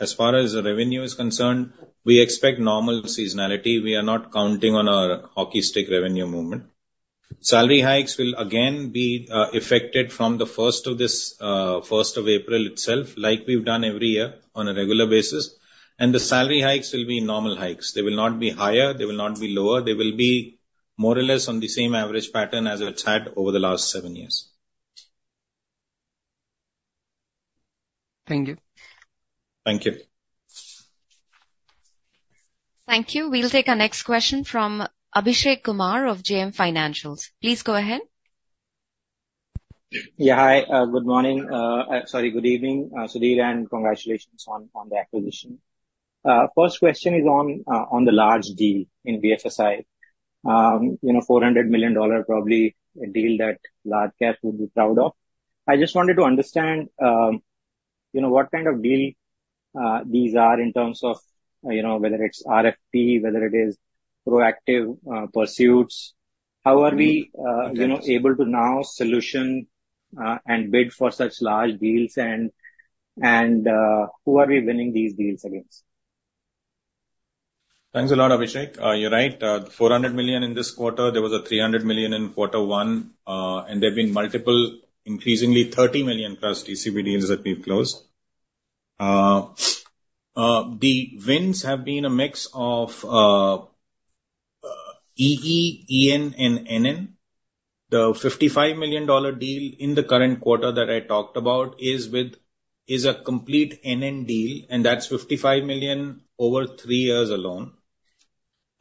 As far as revenue is concerned, we expect normal seasonality. We are not counting on a hockey stick revenue movement. Salary hikes will again be affected from the first of this first of April itself, like we've done every year on a regular basis, and the salary hikes will be normal hikes. They will not be higher, they will not be lower, they will be more or less on the same average pattern as it's had over the last seven years. Thank you. Thank you. Thank you. We'll take our next question from Abhishek Kumar of JM Financial. Please go ahead. Yeah, hi, good morning, sorry, good evening, Sudhir, and congratulations on, on the acquisition. First question is on, on the large deal in BFSI. You know, $400 million, probably a deal that large cap would be proud of. I just wanted to understand, you know, what kind of deal, these are in terms of, you know, whether it's RFP, whether it is proactive, pursuits. How are we, you know, able now solution, and bid for such large deals, and, and, who are we winning these deals against? Thanks a lot, Abhishek. You're right, $400 million in this quarter. There was $300 million in quarter one, and there have been multiple, increasingly 30-million-plus TCV deals that we've closed. The wins have been a mix of EE, EN, and NN. The $55 million deal in the current quarter that I talked about is a complete NN deal, and that's $55 million over three years alone.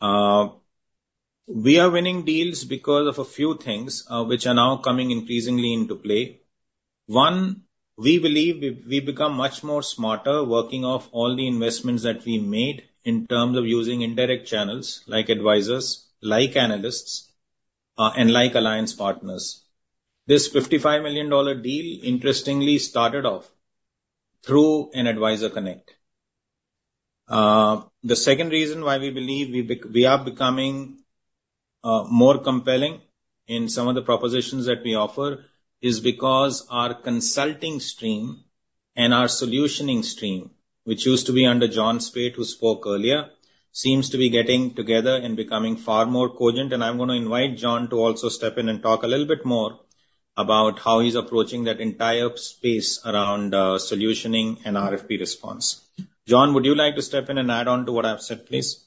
We are winning deals because of a few things, which are now coming increasingly into play. One, we believe we've become much more smarter working off all the investments that we made, in terms of using indirect channels, like advisors, like analysts, and like alliance partners. This $55 million deal interestingly started off through an advisor connect. The second reason why we believe we are becoming more compelling in some of the propositions that we offer is because our consulting stream and our solutioning stream, which used to be under John Speight, who spoke earlier, seems to be getting together and becoming far more cogent. And I'm gonna invite John to also step in and talk a little bit more about how he's approaching that entire space around solutioning and RFP response. John, would you like to step in and add on to what I've said, please?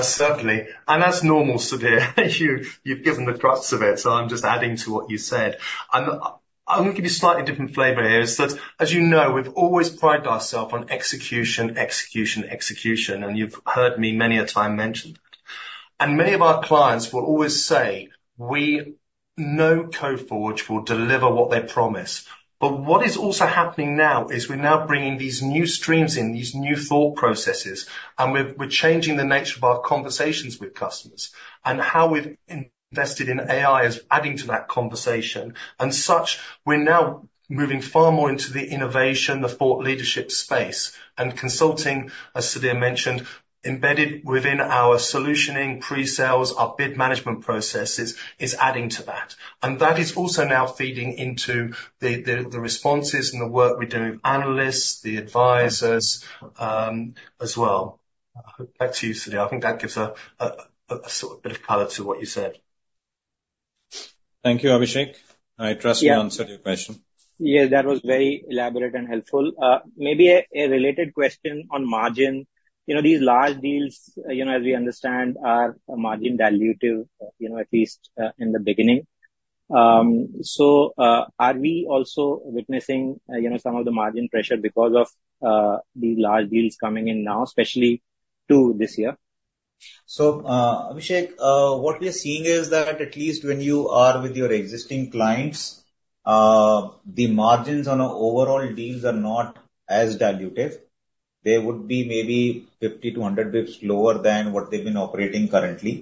Certainly. That's normal, Sudhir. You've given the thrust of it, so I'm just adding to what you said. I'm gonna give you a slightly different flavor here, is that, as you know, we've always prided ourselves on execution, execution, execution, and you've heard me many a time mention it. And many of our clients will always say, "We know Coforge will deliver what they promise." But what is also happening now is we're now bringing these new streams in, these new thought processes, and we're changing the nature of our conversations with customers. And how we've invested in AI is adding to that conversation, and such, we're now moving far more into the innovation, the thought leadership space. And consulting, as Sudhir mentioned, embedded within our solutioning pre-sales, our bid management processes, is adding to that. That is also now feeding into the responses and the work we do with analysts, the advisors, as well. Back to you, Sudhir. I think that gives a sort of bit of color to what you said. Thank you, Abhishek. I trust we answered your question. Yes, that was very elaborate and helpful. Maybe a related question on margin. You know, these large deals, you know, as we understand, are margin dilutive, you know, at least in the beginning. So, are we also witnessing you know, some of the margin pressure because of these large deals coming in now, especially to this year? So, Abhishek, what we are seeing is that at least when you are with your existing clients, the margins on our overall deals are not as dilutive. They would be maybe 50-100 basis points lower than what they've been operating currently.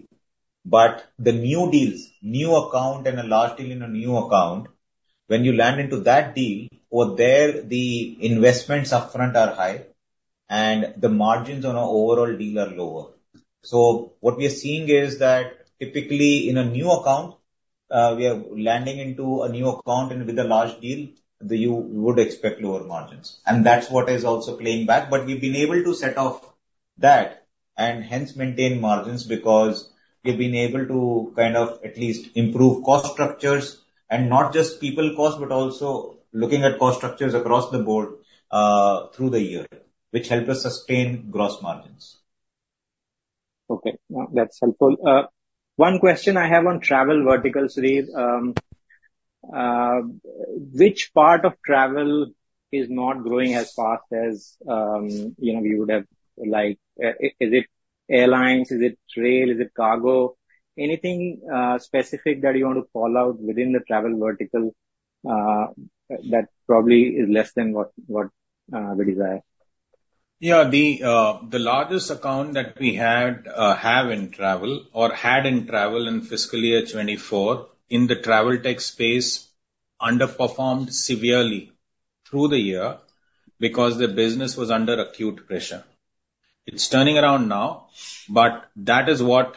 But the new deals, new account and a large deal in a new account, when you land into that deal, over there, the investments upfront are high, and the margins on our overall deal are lower. So what we are seeing is that typically in a new account, we are landing into a new account and with a large deal, then you would expect lower margins, and that's what is also playing back. But we've been able to offset that and hence maintain margins, because we've been able to kind of at least improve cost structures and not just people cost, but also looking at cost structures across the board, through the year, which helped us sustain gross margins. Okay. No, that's helpful. One question I have on travel vertical, Sudhir. Which part of travel is not growing as fast as, you know, you would have—like, is it airlines? Is it rail? Is it cargo? Anything specific that you want to call out within the travel vertical that probably is less than what we desire? Yeah. The largest account that we had, have in travel or had in travel in fiscal year 2024, in the travel tech space, underperformed severely through the year because the business was under acute pressure. It's turning around now, but that is what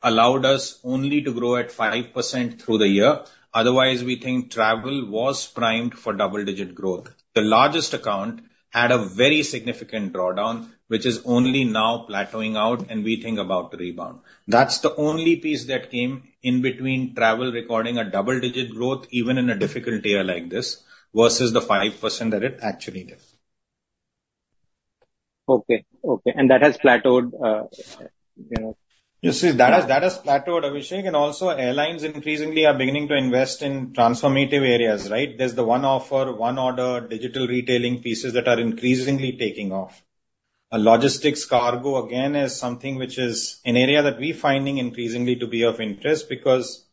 allowed us only to grow at 5% through the year. Otherwise, we think travel was primed for double-digit growth. The largest account had a very significant drawdown, which is only now plateauing out, and we think about rebound. That's the only piece that came in between travel recording a double-digit growth, even in a difficult year like this, versus the 5% that it actually did. Okay. Okay, and that has plateaued, you know. You see, that has, that has plateaued, Abhishek, and also airlines increasingly are beginning to invest in transformative areas, right? There's the One Offer, One Order, digital retailing pieces that are increasingly taking off. Logistics cargo, again, is something which is an area that we're finding increasingly to be of interest because,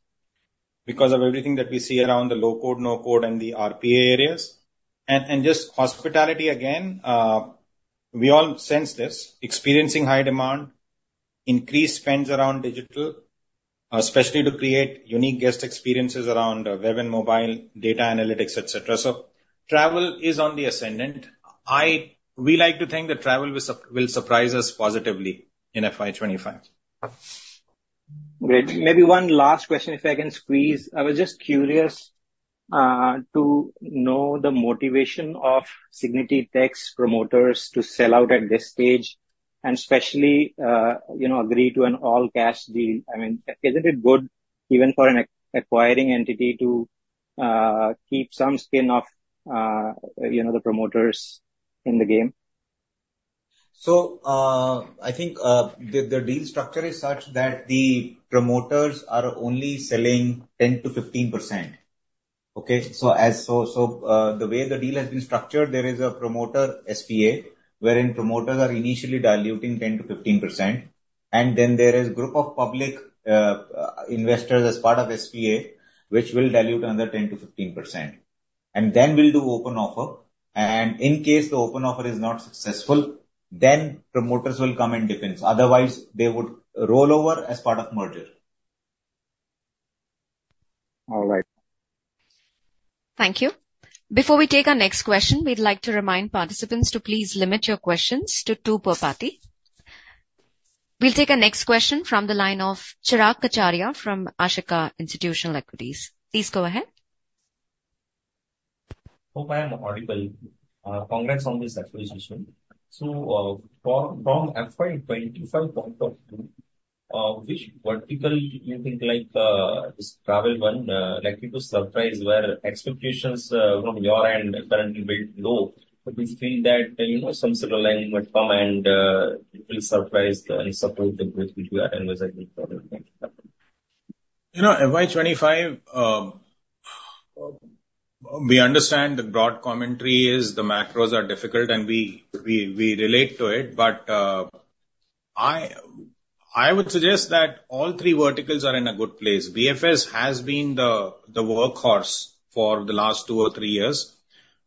because of everything that we see around the Low-code, No-code, and the RPA areas. And, and just hospitality again, we all sense this, experiencing high demand, increased spends around digital, especially to create unique guest experiences around web and mobile, data analytics, et cetera. So travel is on the ascendant. We like to think that travel will surprise us positively in FY 25. Great. Maybe one last question, if I can squeeze. I was just curious to know the motivation of Cigniti Technologies' promoters to sell out at this stage and especially, you know, agree to an all-cash deal. I mean, isn't it good even for an acquiring entity to keep some skin in the promoters in the game? So, I think, the deal structure is such that the promoters are only selling 10%-15%. Okay, so the way the deal has been structured, there is a promoter SPA, wherein promoters are initially diluting 10%-15%, and then there is group of public investors as part of SPA, which will dilute another 10%-15%. And then we'll do open offer, and in case the open offer is not successful, then promoters will come and dip in. Otherwise, they would roll over as part of merger. All right. Thank you. Before we take our next question, we'd like to remind participants to please limit your questions to two per party. We'll take our next question from the line of Chirag Kachhadiya from Ashika Institutional Equities. Please go ahead. Hope I am audible. Congrats on this acquisition. So, from FY 25 point of view, which vertical you think like this travel one likely to surprise, where expectations from your end are currently very low, but we feel that, you know, some sort of line would come and it will surprise and support the growth which we are analyzing for the next quarter? You know, FY 25, we understand the broad commentary is the macros are difficult, and we relate to it, but I would suggest that all three verticals are in a good place. BFS has been the workhorse for the last two or three years.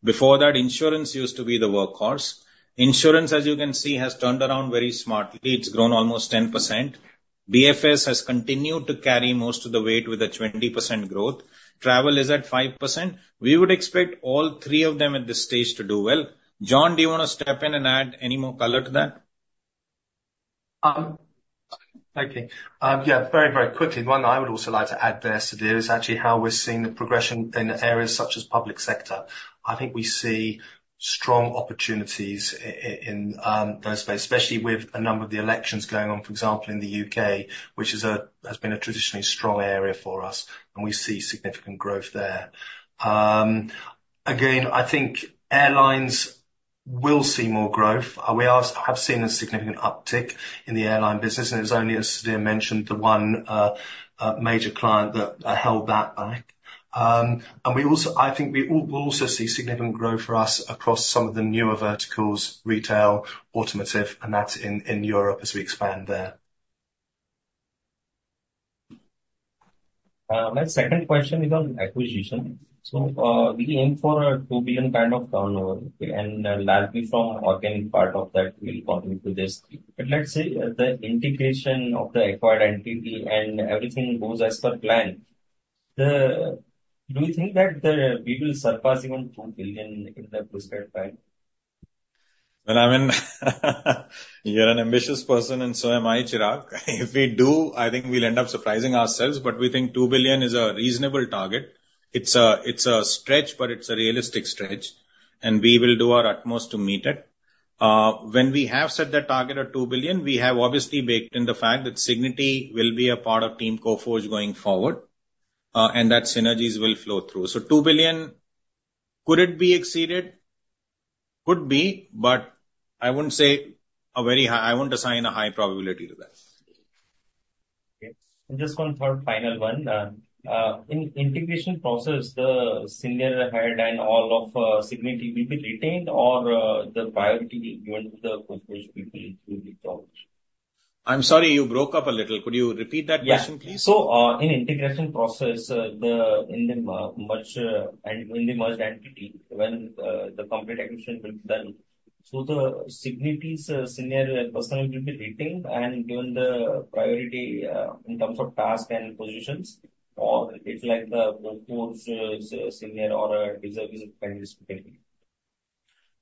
Before that, insurance used to be the workhorse. Insurance, as you can see, has turned around very smartly. It's grown almost 10%. BFS has continued to carry most of the weight with a 20% growth. Travel is at 5%. We would expect all three of them at this stage to do well. John, do you wanna step in and add any more color to that? Okay. Yeah, very, very quickly. One, I would also like to add there, Sudhir, is actually how we're seeing the progression in areas such as public sector. I think we see strong opportunities in those spaces, especially with a number of the elections going on, for example, in the UK, which has been a traditionally strong area for us, and we see significant growth there. Again, I think airlines will see more growth. We have seen a significant uptick in the airline business, and it's only as Sudhir mentioned, the one major client that held that back. And we also I think we'll also see significant growth for us across some of the newer verticals, retail, automotive, and that's in Europe as we expand there. My second question is on acquisition. So, we aim for a $2 billion kind of turnover, and largely from organic part of that will come into this. But let's say, the integration of the acquired entity and everything goes as per plan, do you think that we will surpass even $2 billion in the prescribed time? Well, I mean, you're an ambitious person, and so am I, Chirag. If we do, I think we'll end up surprising ourselves, but we think $2 billion is a reasonable target. It's a, it's a stretch, but it's a realistic stretch, and we will do our utmost to meet it. When we have set that target of $2 billion, we have obviously baked in the fact that Cigniti will be a part of team Coforge going forward, and that synergies will flow through. So $2 billion, could it be exceeded? Could be, but I wouldn't say a very high... I wouldn't assign a high probability to that. Okay. And just one third, final one. In integration process, the senior hired and all of Cigniti will be retained or the priority will be given to the Coforge people through the approach? I'm sorry, you broke up a little. Could you repeat that question, please? Yeah. So, in integration process, in the merge, and in the merged entity, when the complete acquisition is done, so Cigniti's senior personnel will be retained and given the priority, in terms of task and positions, or it's like the more senior or deserving kind is retained? Well,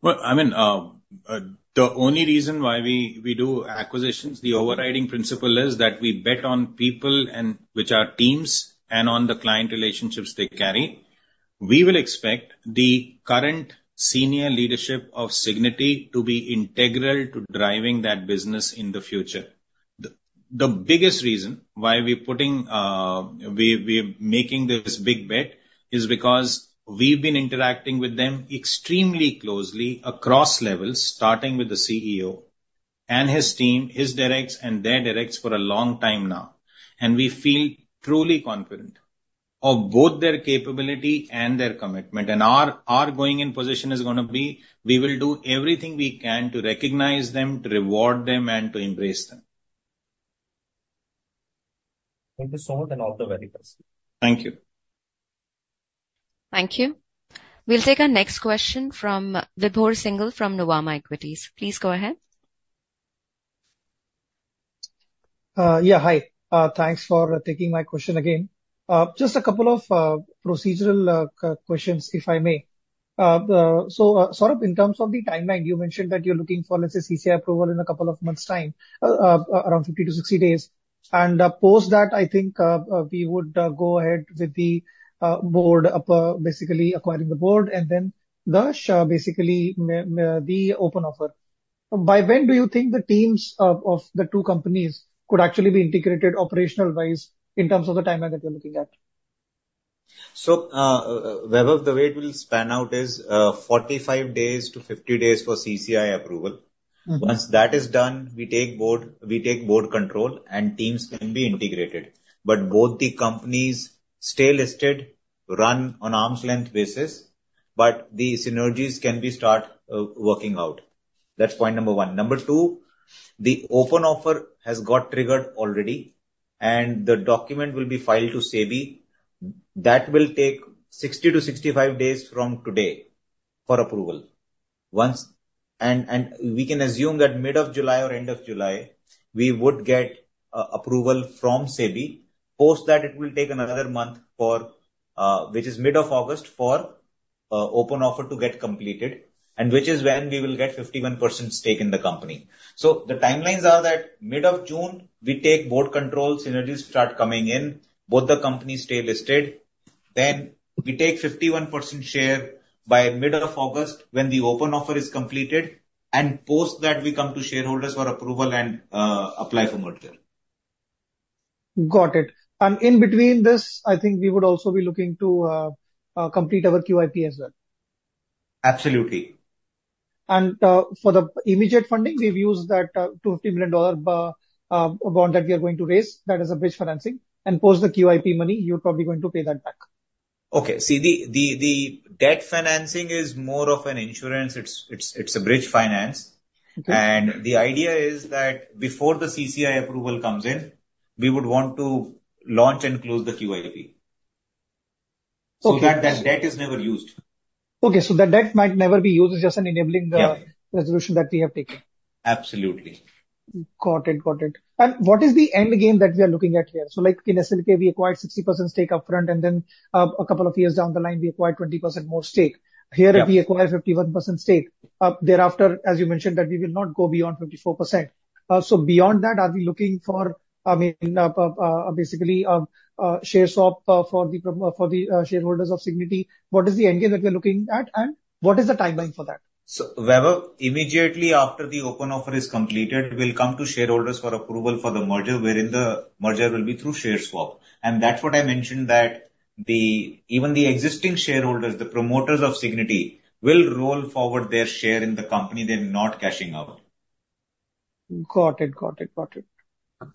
I mean, the only reason why we do acquisitions, the overriding principle is that we bet on people and which are teams, and on the client relationships they carry. We will expect the current senior leadership of Cigniti to be integral to driving that business in the future. The biggest reason why we're making this big bet is because we've been interacting with them extremely closely across levels, starting with the CEO and his team, his directs and their directs for a long time now. And we feel truly confident of both their capability and their commitment. And our going in position is gonna be, we will do everything we can to recognize them, to reward them, and to embrace them. Thank you so much, and all the very best. Thank you. Thank you. We'll take our next question from Vibhor Singhal from Nuvama Equities. Please go ahead. Yeah, hi. Thanks for taking my question again. Just a couple of procedural questions, if I may. So, Saurabh, in terms of the timeline, you mentioned that you're looking for, let's say, CCI approval in a couple of months' time, around 50-60 days. And, post that, I think we would go ahead with the board basically acquiring the board and then the basically the open offer. By when do you think the teams of the two companies could actually be integrated operational wise, in terms of the timeline that you're looking at? Vibhor, the way it will span out is 45-50 days for CCI approval. Mm-hmm. Once that is done, we take board control and teams can be integrated. But both the companies stay listed, run on arm's length basis, but the synergies can start working out. That's point number one. Number two, the open offer has got triggered already, and the document will be filed to SEBI. That will take 60-65 days from today for approval. And we can assume that mid of July or end of July, we would get approval from SEBI. Post that, it will take another month, which is mid of August, for open offer to get completed, and which is when we will get 51% stake in the company. So the timelines are that mid of June, we take board control, synergies start coming in, both the companies stay listed. Then we take 51% share by mid of August when the open offer is completed, and post that, we come to shareholders for approval and apply for merger. Got it. And in between this, I think we would also be looking to complete our QIP as well. Absolutely. For the immediate funding, we've used that $250 million bond that we are going to raise, that is a bridge financing. Post the QIP money, you're probably going to pay that back. Okay. See, the debt financing is more of an insurance. It's a bridge finance. Okay. The idea is that before the CCI approval comes in, we would want to launch and close the QIP. Okay. So that debt is never used. Okay, so the debt might never be used. It's just an enabling- Yeah. Resolution that we have taken. Absolutely. Got it. Got it. And what is the end game that we are looking at here? So, like, in SLK, we acquired 60% stake up front, and then, a couple of years down the line, we acquired 20% more stake. Yeah. Here, we acquired 51% stake. Thereafter, as you mentioned, that we will not go beyond 54%. So beyond that, are we looking for, I mean, basically, share swap for the shareholders of Cigniti? What is the end game that we're looking at, and what is the timeline for that? Vibhor, immediately after the open offer is completed, we'll come to shareholders for approval for the merger, wherein the merger will be through share swap. That's what I mentioned, that the... even the existing shareholders, the promoters of Cigniti, will roll forward their share in the company. They're not cashing out. Got it. Got it. Got it.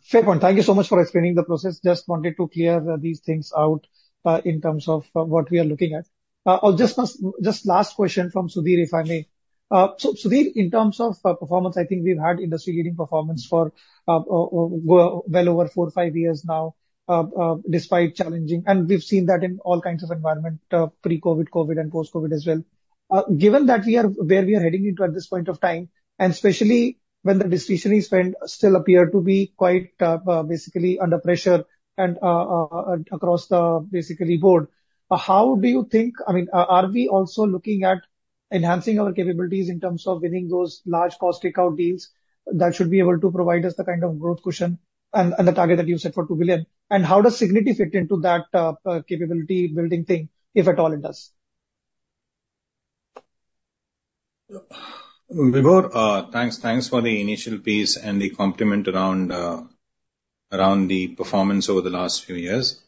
Fair point. Thank you so much for explaining the process. Just wanted to clear these things out in terms of what we are looking at. Oh, just last, just last question from Sudhir, if I may. So Sudhir, in terms of performance, I think we've had industry-leading performance for well over four, five years now despite challenging... And we've seen that in all kinds of environment pre-COVID, COVID, and post-COVID as well. Given that we are where we are heading into at this point of time, and especially when the discretionary spend still appear to be quite basically under pressure and across the basically board, how do you think—I mean, are we also looking at enhancing our capabilities in terms of winning those large cost takeout deals that should be able to provide us the kind of growth cushion and the target that you set for $2 billion? And how does Cigniti fit into that capability building thing, if at all it does? Vibhor, thanks, thanks for the initial piece and the compliment around, around the performance over the last few years.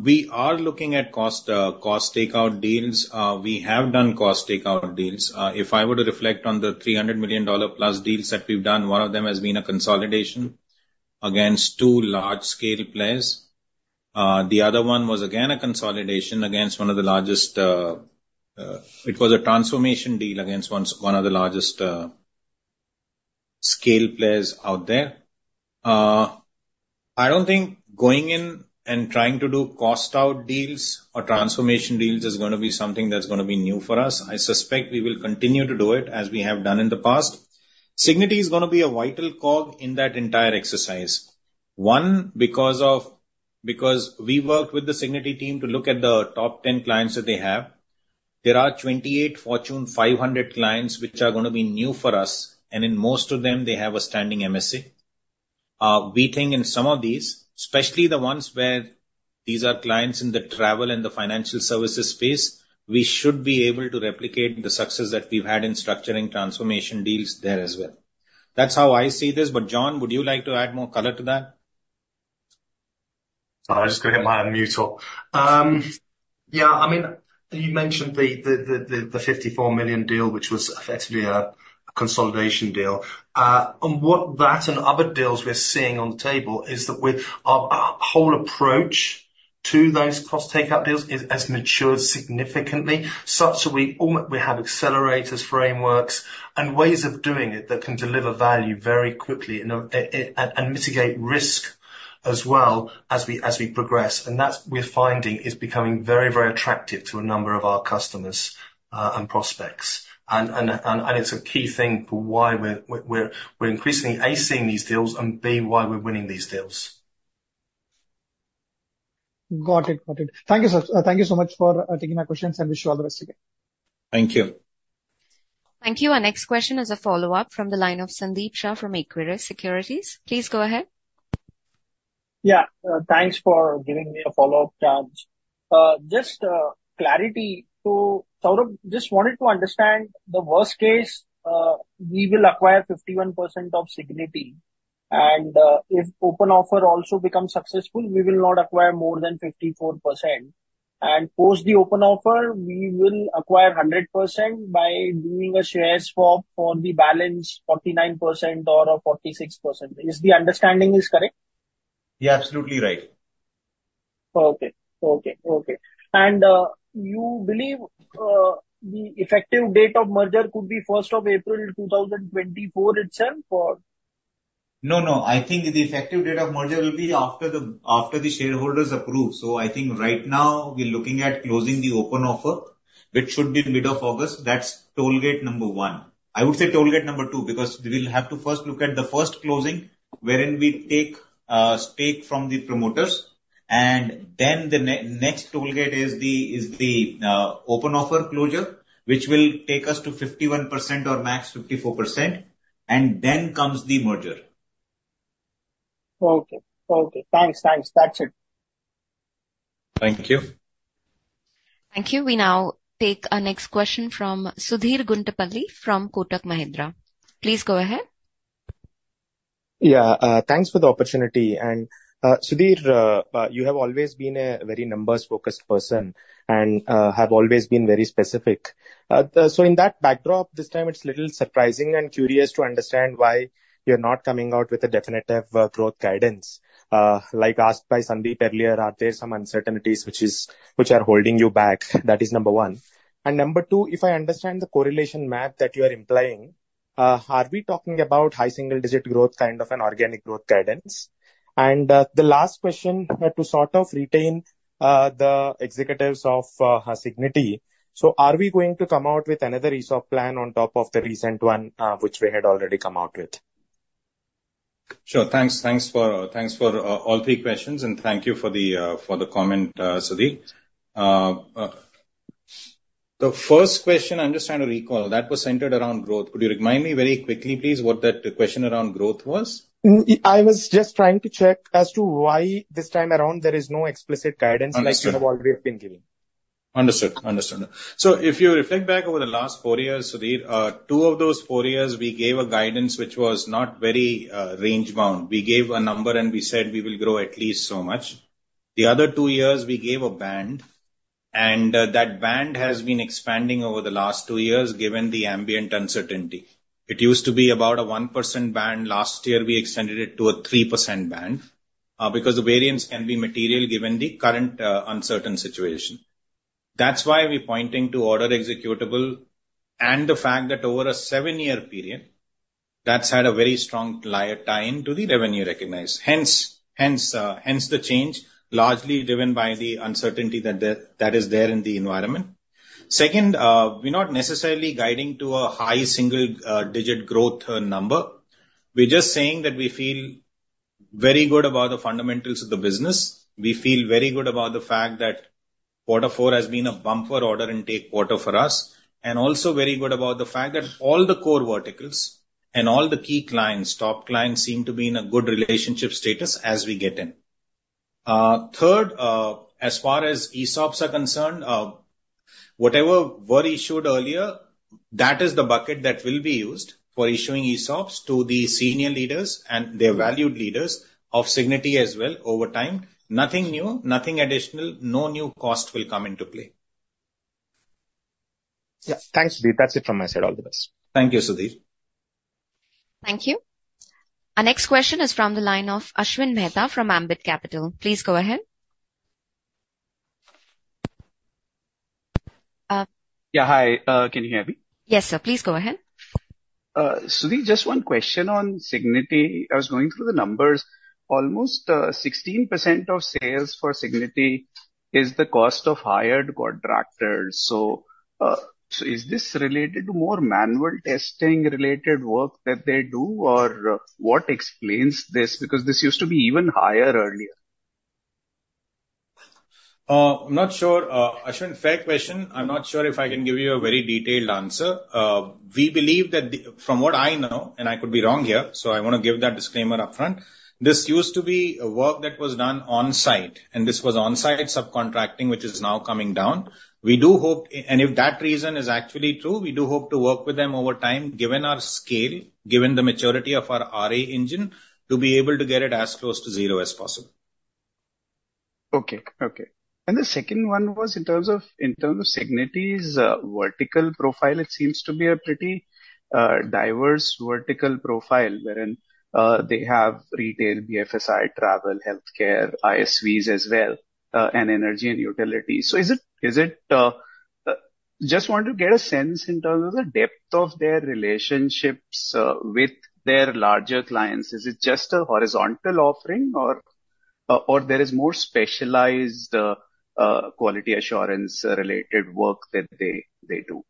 We are looking at cost, cost takeout deals. We have done cost takeout deals. If I were to reflect on the $300 million-plus deals that we've done, one of them has been a consolidation against two large-scale players. The other one was, again, a consolidation against one of the largest. It was a transformation deal against one of the largest scale players out there. I don't think going in and trying to do cost takeout deals or transformation deals is gonna be something that's gonna be new for us. I suspect we will continue to do it as we have done in the past. Cigniti is gonna be a vital cog in that entire exercise. One, because of, because we worked with the Cigniti team to look at the top 10 clients that they have. There are 28 Fortune 500 clients, which are gonna be new for us, and in most of them, they have a standing MSA. We think in some of these, especially the ones where these are clients in the travel and the financial services space, we should be able to replicate the success that we've had in structuring transformation deals there as well. That's how I see this, but John, would you like to add more color to that? Sorry, I just gotta hit my unmute off. Yeah, I mean, you mentioned the $54 million deal, which was effectively a consolidation deal. On what that and other deals we're seeing on the table is that with our whole approach to those cost takeout deals is, has matured significantly, such that we have accelerators, frameworks, and ways of doing it that can deliver value very quickly and mitigate risk as well as we progress. And that, we're finding, is becoming very, very attractive to a number of our customers and prospects. And it's a key thing for why we're increasingly, A, seeing these deals, and B, why we're winning these deals. Got it. Got it. Thank you, sir. Thank you so much for taking my questions, and wish you all the best again. Thank you. Thank you. Our next question is a follow-up from the line of Sandeep Shah from Equirus Securities. Please go ahead. Yeah, thanks for giving me a follow-up chance. Just clarity. So Saurabh, just wanted to understand the worst case, we will acquire 51% of Cigniti, and if open offer also becomes successful, we will not acquire more than 54%. And post the open offer, we will acquire 100% by doing a shares swap for the balance 49% or 46%. Is the understanding is correct? You're absolutely right. Okay. Okay, okay. And, you believe the effective date of merger could be first of April 2024 itself, or? No, no, I think the effective date of merger will be after the, after the shareholders approve. So I think right now we're looking at closing the open offer, which should be the middle of August. That's toll gate number 1. I would say toll gate number 2, because we will have to first look at the first closing, wherein we take stake from the promoters, and then the next toll gate is the open offer closure, which will take us to 51% or max 54%, and then comes the merger. Okay. Okay, thanks, thanks. That's it. Thank you. Thank you. We now take our next question from Sudheer Guntupalli from Kotak Mahindra. Please go ahead. Yeah, thanks for the opportunity. And, Sudhir, you have always been a very numbers-focused person and have always been very specific. So in that backdrop, this time it's a little surprising and curious to understand why you're not coming out with a definitive growth guidance. Like asked by Sandeep earlier, are there some uncertainties which are holding you back? That is number one. And number two, if I understand the correlation map that you are implying, are we talking about high single-digit growth, kind of an organic growth guidance? And, the last question, to sort of retain the executives of Cigniti, so are we going to come out with another ESOP plan on top of the recent one which we had already come out with? Sure. Thanks. Thanks for all three questions, and thank you for the comment, Sudheer. The first question, I'm just trying to recall, that was centered around growth. Could you remind me very quickly, please, what that question around growth was? I was just trying to check as to why, this time around, there is no explicit guidance- Understood. Like you have already been giving. Understood. Understood. So if you reflect back over the last four years, Sudheer, two of those four years, we gave a guidance which was not very range-bound. We gave a number, and we said we will grow at least so much. The other two years, we gave a band. And that band has been expanding over the last two years, given the ambient uncertainty. It used to be about a 1% band. Last year we extended it to a 3% band, because the variance can be material given the current uncertain situation. That's why we're pointing to order executable, and the fact that over a seven-year period, that's had a very strong tie-in to the revenue recognized. Hence, hence, hence the change, largely driven by the uncertainty that that is there in the environment. Second, we're not necessarily guiding to a high single-digit growth number. We're just saying that we feel very good about the fundamentals of the business. We feel very good about the fact that quarter four has been a bumper order intake quarter for us, and also very good about the fact that all the core verticals and all the key clients, top clients, seem to be in a good relationship status as we get in. Third, as far as ESOPs are concerned, whatever were issued earlier, that is the bucket that will be used for issuing ESOPs to the senior leaders and their valued leaders of Cigniti as well over time. Nothing new, nothing additional, no new cost will come into play. Yeah. Thanks, Sudhir. That's it from my side. All the best. Thank you, Sudheer. Thank you. Our next question is from the line of Ashwin Mehta from Ambit Capital. Please go ahead. Yeah, hi. Can you hear me? Yes, sir. Please go ahead. Sudhir, just one question on Cigniti. I was going through the numbers. Almost 16% of sales for Cigniti is the cost of hired contractors. So, so is this related to more manual testing-related work that they do, or what explains this? Because this used to be even higher earlier. I'm not sure. Ashwin, fair question. I'm not sure if I can give you a very detailed answer. We believe that the... From what I know, and I could be wrong here, so I want to give that disclaimer upfront, this used to be a work that was done on-site, and this was on-site subcontracting, which is now coming down. We do hope - and if that reason is actually true, we do hope to work with them over time, given our scale, given the maturity of our RA engine, to be able to get it as close to zero as possible. Okay. Okay. And the second one was in terms of, in terms of Cigniti's vertical profile. It seems to be a pretty diverse vertical profile, wherein they have retail, BFSI, travel, healthcare, ISVs as well, and energy and utility. So is it, is it... Just want to get a sense in terms of the depth of their relationships with their larger clients. Is it just a horizontal offering or, or there is more specialized quality assurance-related work that they do?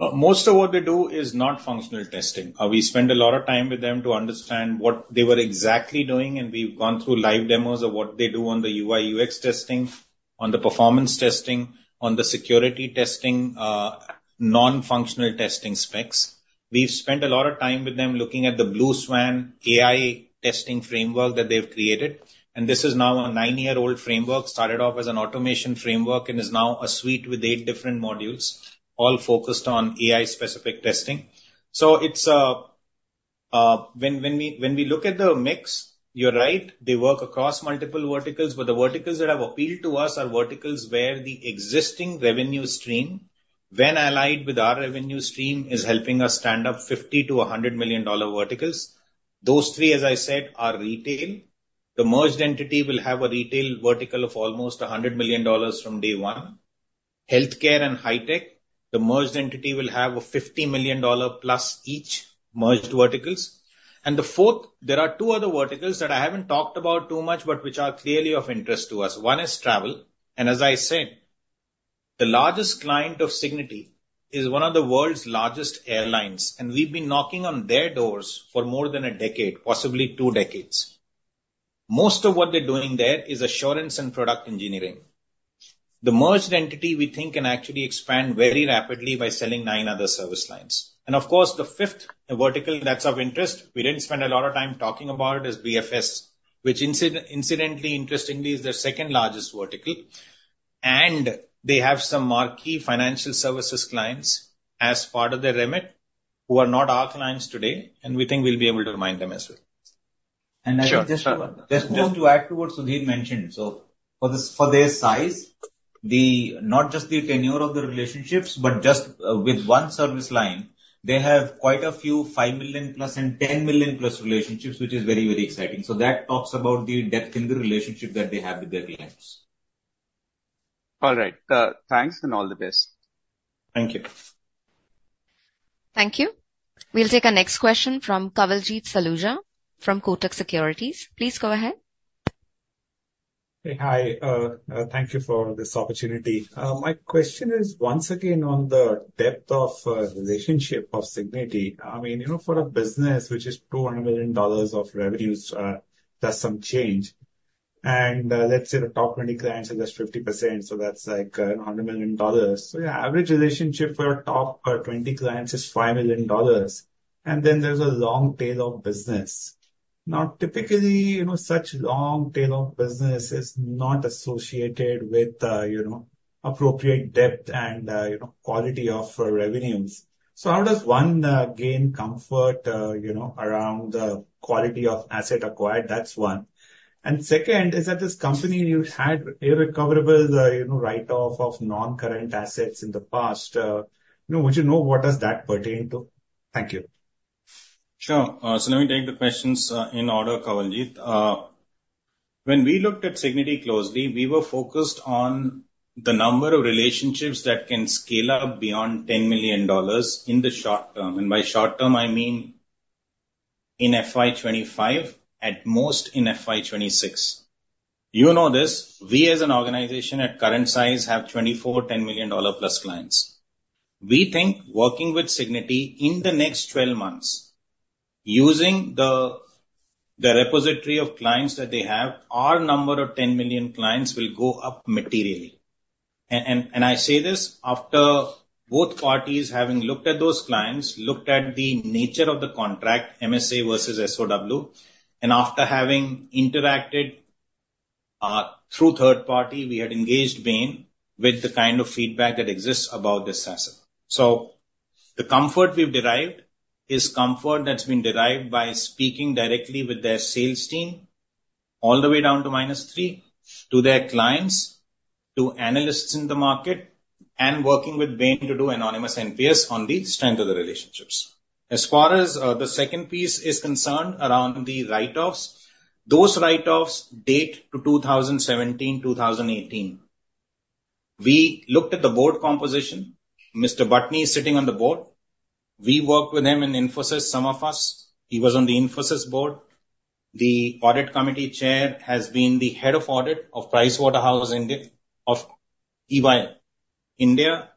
Most of what they do is not functional testing. We spend a lot of time with them to understand what they were exactly doing, and we've gone through live demos of what they do on the UI/UX testing, on the performance testing, on the security testing, non-functional testing specs. We've spent a lot of time with them looking at the BlueSwan AI testing framework that they've created, and this is now a nine-year-old framework. Started off as an automation framework and is now a suite with eight different modules, all focused on AI-specific testing. So it's when we look at the mix, you're right, they work across multiple verticals, but the verticals that have appealed to us are verticals where the existing revenue stream, when allied with our revenue stream, is helping us stand up $50-$100 million verticals. Those three, as I said, are retail. The merged entity will have a retail vertical of almost $100 million from day one. Healthcare and high tech, the merged entity will have a $50 million plus each merged verticals. And the fourth, there are two other verticals that I haven't talked about too much, but which are clearly of interest to us. One is travel, and as I said, the largest client of Cigniti is one of the world's largest airlines, and we've been knocking on their doors for more than a decade, possibly two decades. Most of what they're doing there is assurance and product engineering. The merged entity, we think, can actually expand very rapidly by selling nine other service lines. And of course, the fifth vertical that's of interest, we didn't spend a lot of time talking about, is BFS, which incidentally, interestingly, is their second largest vertical. And they have some marquee financial services clients as part of their remit who are not our clients today, and we think we'll be able to remind them as well. Sure. Sure. Just to add to what Sudhir mentioned, so for this, for their size, not just the tenure of the relationships, but just, with one service line, they have quite a few $5 million+ and $10 million+ relationships, which is very, very exciting. So that talks about the depth in the relationship that they have with their clients. All right. Thanks, and all the best. Thank you. Thank you. We'll take our next question from Kawaljeet Saluja from Kotak Securities. Please go ahead. Hey, hi. Thank you for this opportunity. My question is once again on the depth of relationship of Cigniti. I mean, you know, for a business which is $200 million of revenues, plus some change, and, let's say the top 20 clients are just 50%, so that's like, a $100 million. So your average relationship for your top, 20 clients is $5 million, and then there's a long tail of business. Now, typically, you know, such long tail of business is not associated with, you know, appropriate depth and, you know, quality of revenues. So how does one, gain comfort, you know, around the quality of asset acquired? That's one. And second is that this company you had irrecoverable, you know, write-off of non-current assets in the past. You know, would you know, what does that pertain to? Thank you. Sure. So let me take the questions in order, Kawaljeet. When we looked at Cigniti closely, we were focused on the number of relationships that can scale up beyond $10 million in the short term, and by short term I mean in FY25, at most in FY26. You know this, we as an organization at current size have 24 $10 million+ clients. We think working with Cigniti in the next 12 months, using the repository of clients that they have, our number of $10 million clients will go up materially. And I say this after both parties having looked at those clients, looked at the nature of the contract, MSA versus SOW, and after having interacted through third party, we had engaged Bain with the kind of feedback that exists about this asset. So the comfort we've derived is comfort that's been derived by speaking directly with their sales team, all the way down to -3, to their clients, to analysts in the market, and working with Bain to do anonymous NPS on the strength of the relationships. As far as, the second piece is concerned around the write-offs, those write-offs date to 2017, 2018. We looked at the board composition. Mr. Batni is sitting on the board. We worked with him in Infosys, some of us. He was on the Infosys board. The audit committee chair has been the head of audit of Pricewaterhouse India, of EY India.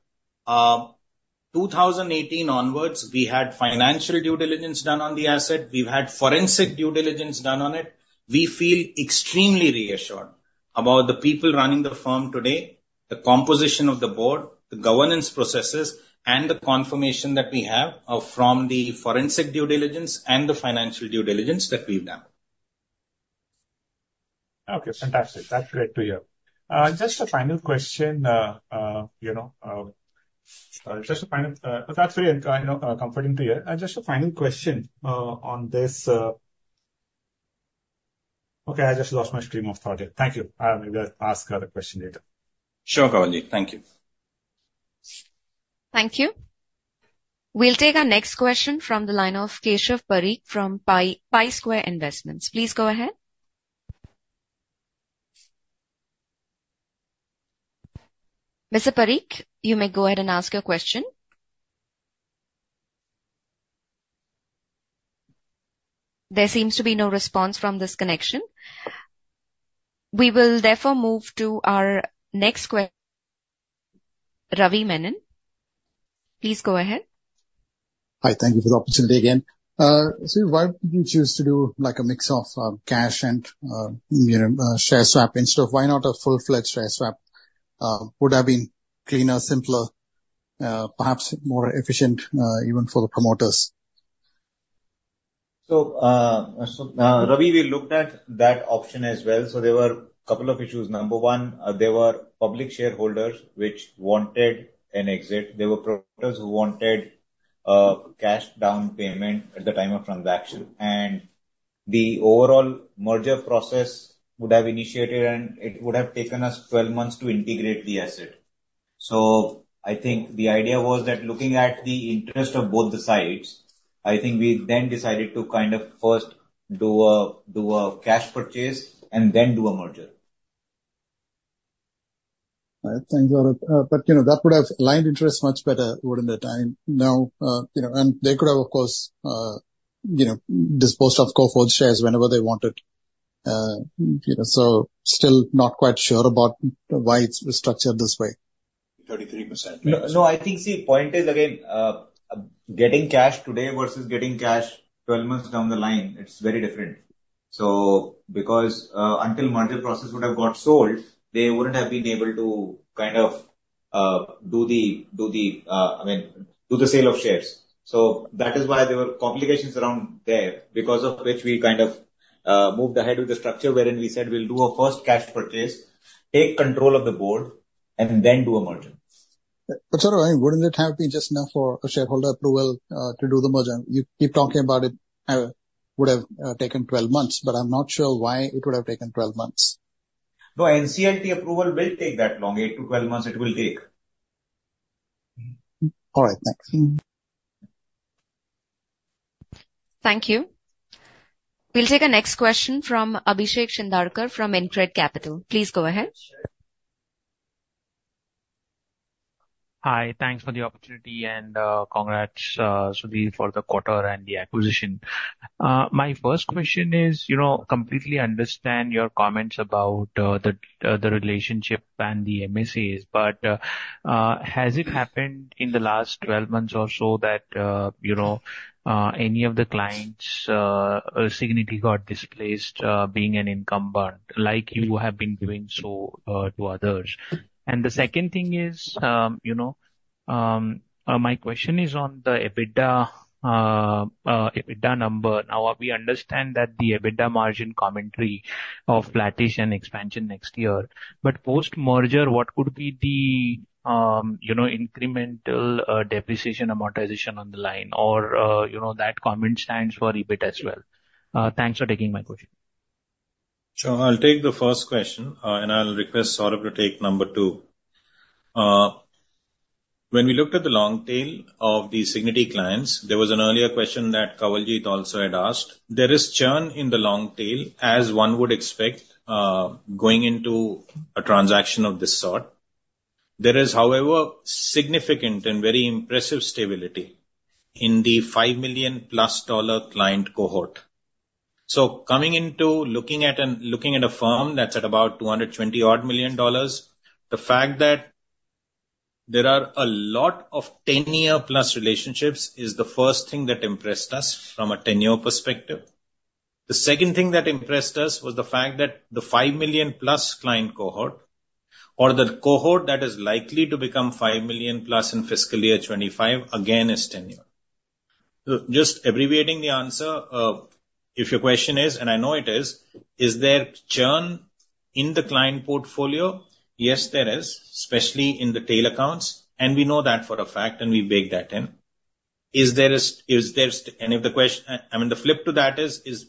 2018 onwards, we had financial due diligence done on the asset. We've had forensic due diligence done on it. We feel extremely reassured about the people running the firm today, the composition of the board, the governance processes, and the confirmation that we have, from the forensic due diligence and the financial due diligence that we've done. Okay, fantastic. That's great to hear. Just a final question, you know, just a final, that's very, you know, comforting to hear. Just a final question, on this. Okay, I just lost my train of thought here. Thank you. I will maybe ask another question later. Sure, Kawaljeet. Thank you. Thank you. We'll take our next question from the line of Keshav Parikh from Pi Square Investments. Please go ahead. Mr. Parikh, you may go ahead and ask your question. There seems to be no response from this connection. We will therefore move to our next que- Ravi Menon. Please go ahead. Hi, thank you for the opportunity again. So why did you choose to do, like, a mix of cash and, you know, share swap instead of why not a full-fledged share swap? Would have been cleaner, simpler, perhaps more efficient, even for the promoters. So, Ravi, we looked at that option as well, so there were a couple of issues. Number one, there were public shareholders which wanted an exit. There were promoters who wanted cash down payment at the time of transaction, and the overall merger process would have initiated, and it would have taken us 12 months to integrate the asset. So I think the idea was that looking at the interest of both the sides, I think we then decided to kind of first do a, do a cash purchase and then do a merger. All right, thanks a lot. But, you know, that would have aligned interests much better within the time. Now, you know, and they could have, of course, you know, disposed of Coforge shares whenever they wanted. You know, so still not quite sure about why it's structured this way. 33%. No, no, I think, see, point is, again, getting cash today versus getting cash 12 months down the line, it's very different. So because, until merger process would have got sold, they wouldn't have been able to kind of, I mean, do the sale of shares. So that is why there were complications around there, because of which we kind of, moved ahead with the structure wherein we said we'll do a first cash purchase, take control of the board, and then do a merger. But Saurabh, wouldn't it have been just enough for a shareholder approval to do the merger? You keep talking about it would have taken 12 months, but I'm not sure why it would have taken 12 months. No, NCLT approval will take that long. Eight to 12 months, it will take. All right, thanks. Thank you. We'll take our next question from Abhishek Shindadkar from InCred Capital. Please go ahead. Hi, thanks for the opportunity, and, congrats, Sudhir for the quarter and the acquisition. My first question is, you know, completely understand your comments about, the, the relationship and the MSAs, but, has it happened in the last 12 months or so that, you know, any of the clients, Cigniti got displaced, being an incumbent, like you have been doing so, to others? And the second thing is, you know, my question is on the EBITDA, EBITDA number. Now, we understand that the EBITDA margin commentary of flattish and expansion next year, but post-merger, what could be the, you know, incremental, depreciation amortization on the line? Or, you know, that comment stands for EBIT as well. Thanks for taking my question. So I'll take the first question, and I'll request Saurabh to take number two. When we looked at the long tail of the Cigniti clients, there was an earlier question that Kawaljeet also had asked. There is churn in the long tail, as one would expect, going into a transaction of this sort. There is, however, significant and very impressive stability in the $5 million+ client cohort. So coming into looking at a firm that's at about $220-odd million, the fact that there are a lot of 10-year+ relationships is the first thing that impressed us from a tenure perspective. The second thing that impressed us was the fact that the $5 million+ client cohort, or the cohort that is likely to become $5 million+ in fiscal year 2025, again, is tenured. So just abbreviating the answer, if your question is, and I know it is: Is there churn in the client portfolio? Yes, there is, especially in the tail accounts, and we know that for a fact, and we bake that in. I mean, the flip to that is,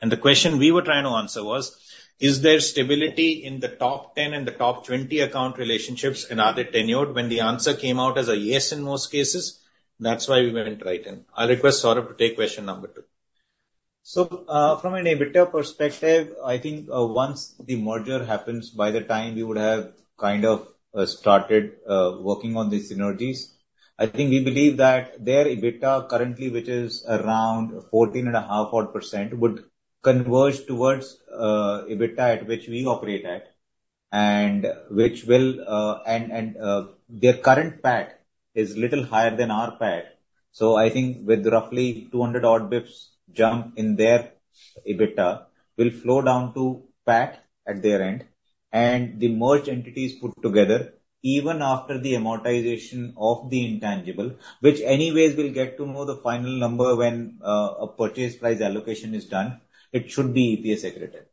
and the question we were trying to answer was: Is there stability in the top 10 and the top 20 account relationships, and are they tenured? When the answer came out as a yes in most cases, that's why we went right in. I'll request Saurabh to take question number two. So, from an EBITDA perspective, I think, once the merger happens, by the time we would have kind of started working on the synergies, I think we believe that their EBITDA, currently, which is around 14.5 odd percent, would converge towards EBITDA at which we operate at, and which will... Their current PAT is little higher than our PAT. So I think with roughly 200 odd basis points jump in their EBITDA, will flow down to PAT at their end, and the merged entities put together, even after the amortization of the intangible, which anyways we'll get to know the final number when a purchase price allocation is done, it should be EPS accretive.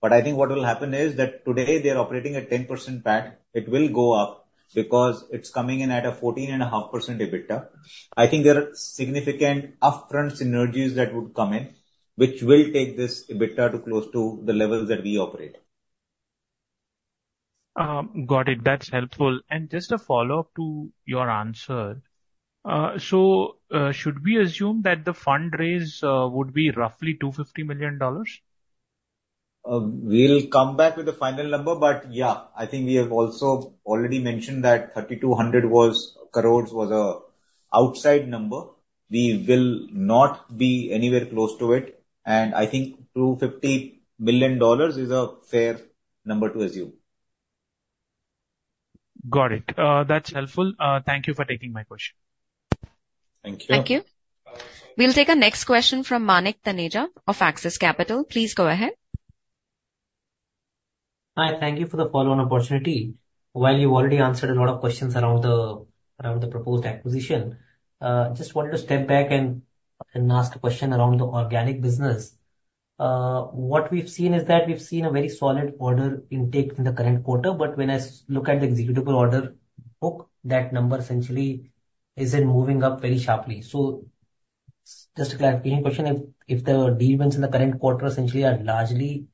But I think what will happen is that today they are operating at 10% PAT. It will go up, because it's coming in at a 14.5% EBITDA. I think there are significant upfront synergies that would come in, which will take this EBITDA to close to the levels that we operate. Got it. That's helpful. And just a follow-up to your answer. So, should we assume that the fundraise would be roughly $250 million? We'll come back with the final number, but yeah, I think we have also already mentioned that 3,200 crore was an outside number. We will not be anywhere close to it, and I think $250 million is a fair number to assume. Got it. That's helpful. Thank you for taking my question. Thank you. Thank you. We'll take our next question from Manik Taneja of Axis Capital. Please go ahead. Hi, thank you for the follow-on opportunity. While you've already answered a lot of questions around the proposed acquisition, just wanted to step back and ask a question around the organic business. What we've seen is that we've seen a very solid order intake in the current quarter, but when I look at the executable order book, that number essentially isn't moving up very sharply. So just to clarify any question, if the deal wins in the current quarter essentially are largely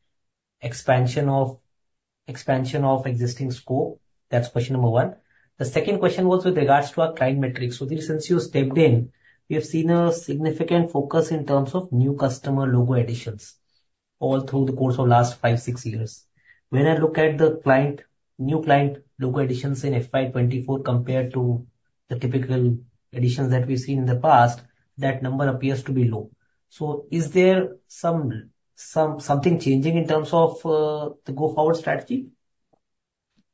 expansion of existing scope? That's question number one. The second question was with regards to our client metrics. So since you stepped in, we have seen a significant focus in terms of new customer logo additions all through the course of last five, six years. When I look at the client, new client logo additions in FY 2024 compared to the typical additions that we've seen in the past, that number appears to be low. So is there something changing in terms of the go-forward strategy?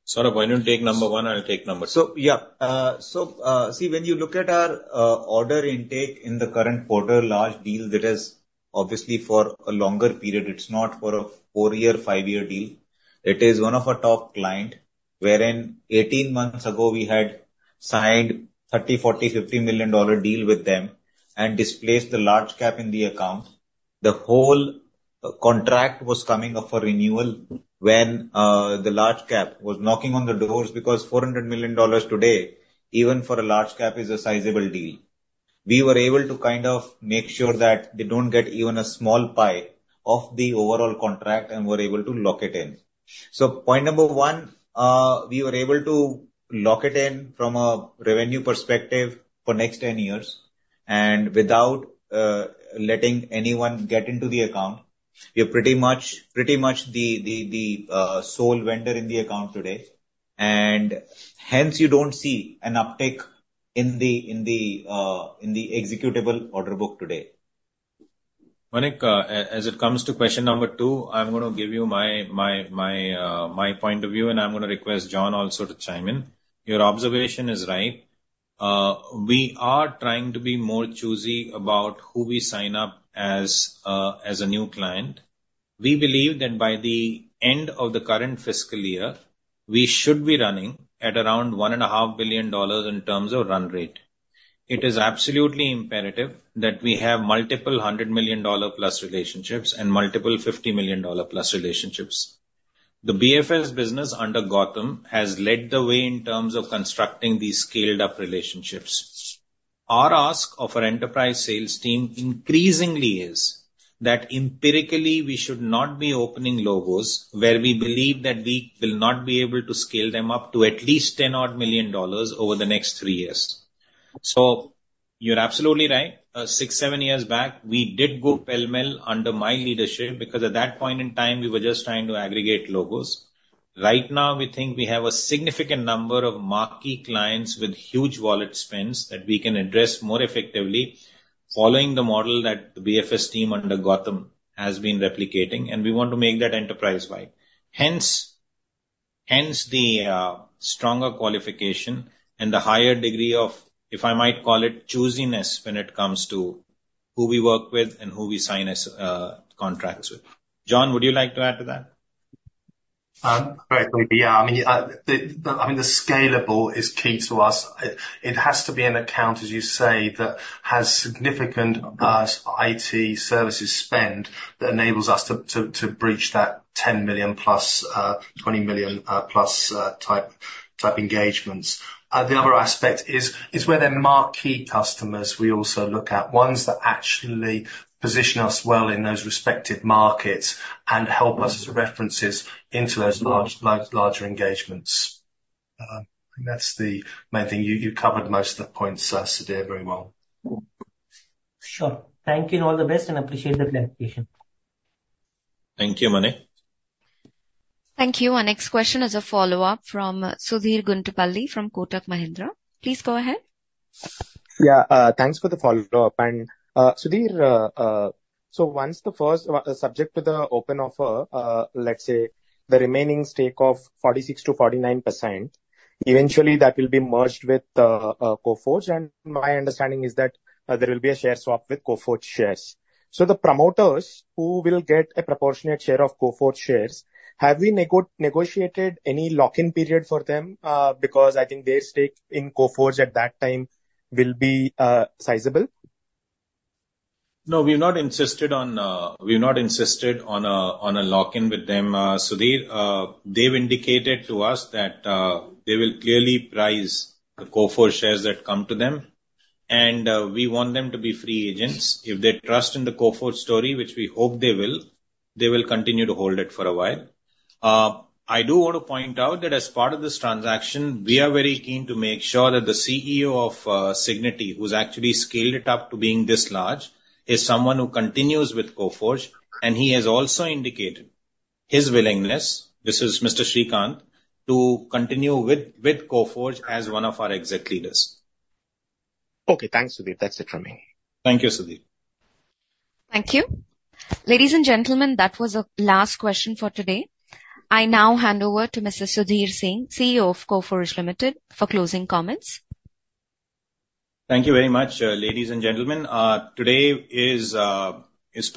Saurabh, why don't you take number one, I'll take number two. So, yeah. So, see, when you look at our order intake in the current quarter, large deal, that is obviously for a longer period. It's not for a four-year, five-year deal. It is one of our top client, wherein 18 months ago we had signed $30, $40, $50 million deal with them and displaced the large cap in the account. The whole contract was coming up for renewal when the large cap was knocking on the doors, because $400 million today, even for a large cap, is a sizable deal. We were able to kind of make sure that they don't get even a small pie of the overall contract, and we're able to lock it in. So point number one, we were able to lock it in from a revenue perspective for next 10 years, and without letting anyone get into the account. We are pretty much the sole vendor in the account today, and hence you don't see an uptick in the executable order book today. Manik, as it comes to question number two, I'm gonna give you my point of view, and I'm gonna request John also to chime in. Your observation is right. We are trying to be more choosy about who we sign up as a new client. We believe that by the end of the current fiscal year, we should be running at around $1.5 billion in terms of run rate. It is absolutely imperative that we have multiple 100 million dollar-plus relationships and multiple 50 million dollar-plus relationships. The BFS business under Gautam has led the way in terms of constructing these scaled-up relationships. Our ask of our enterprise sales team increasingly is that empirically, we should not be opening logos where we believe that we will not be able to scale them up to at least $10-odd million over the next three years. So you're absolutely right. Six to seven years back, we did go pell-mell under my leadership, because at that point in time, we were just trying to aggregate logos. Right now, we think we have a significant number of marquee clients with huge wallet spends that we can address more effectively, following the model that the BFS team under Gautam has been replicating, and we want to make that enterprise-wide. Hence, the stronger qualification and the higher degree of, if I might call it, choosiness, when it comes to who we work with and who we sign as contracts with. John, would you like to add to that? Correctly, yeah. I mean, the scalability is key to us. It has to be an account, as you say, that has significant IT services spend that enables us to reach that $10 million plus, $20 million plus type engagements. The other aspect is where the marquee customers we also look at, ones that actually position us well in those respective markets and help us as references into those large, large, larger engagements. I think that's the main thing. You covered most of the points, Sudhir, very well. Sure. Thank you and all the best, and appreciate the clarification. Thank you, Manik. Thank you. Our next question is a follow-up from Sudheer Guntupalli from Kotak Mahindra. Please go ahead. Yeah, thanks for the follow-up. And, Sudhir, so once the first, subject to the open offer, let's say the remaining stake of 46%-49%, eventually that will be merged with Coforge. And my understanding is that, there will be a share swap with Coforge shares. So the promoters who will get a proportionate share of Coforge shares, have we negotiated any lock-in period for them? Because I think their stake in Coforge at that time will be sizable. No, we've not insisted on, we've not insisted on a, on a lock-in with them. Sudheer, they've indicated to us that, they will clearly price the Coforge shares that come to them, and, we want them to be free agents. If they trust in the Coforge story, which we hope they will, they will continue to hold it for a while. I do want to point out that as part of this transaction, we are very keen to make sure that the CEO of, Cigniti, who's actually scaled it up to being this large, is someone who continues with Coforge, and he has also indicated his willingness, this is Mr. Srikanth, to continue with, with Coforge as one of our exec leaders. Okay, thanks, Sudhir. That's it from me. Thank you, Sudheer. Thank you. Ladies and gentlemen, that was the last question for today. I now hand over to Mr. Sudhir Singh, CEO of Coforge Limited, for closing comments. Thank you very much, ladies and gentlemen. Today is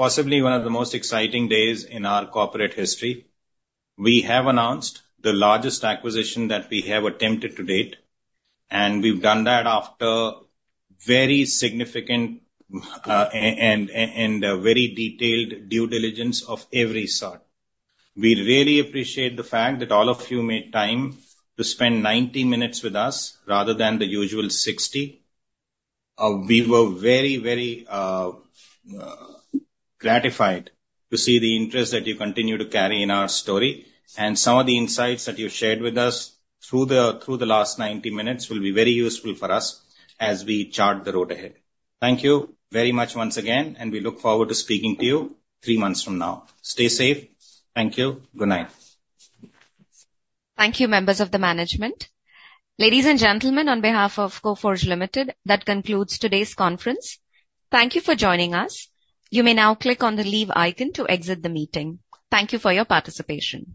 possibly one of the most exciting days in our corporate history. We have announced the largest acquisition that we have attempted to date, and we've done that after very significant and very detailed due diligence of every sort. We really appreciate the fact that all of you made time to spend 90 minutes with us, rather than the usual 60. We were very, very gratified to see the interest that you continue to carry in our story, and some of the insights that you've shared with us through the last 90 minutes will be very useful for us as we chart the road ahead. Thank you very much once again, and we look forward to speaking to you three months from now. Stay safe. Thank you. Good night. Thank you, members of the management. Ladies and gentlemen, on behalf of Coforge Limited, that concludes today's conference. Thank you for joining us. You may now click on the Leave icon to exit the meeting. Thank you for your participation.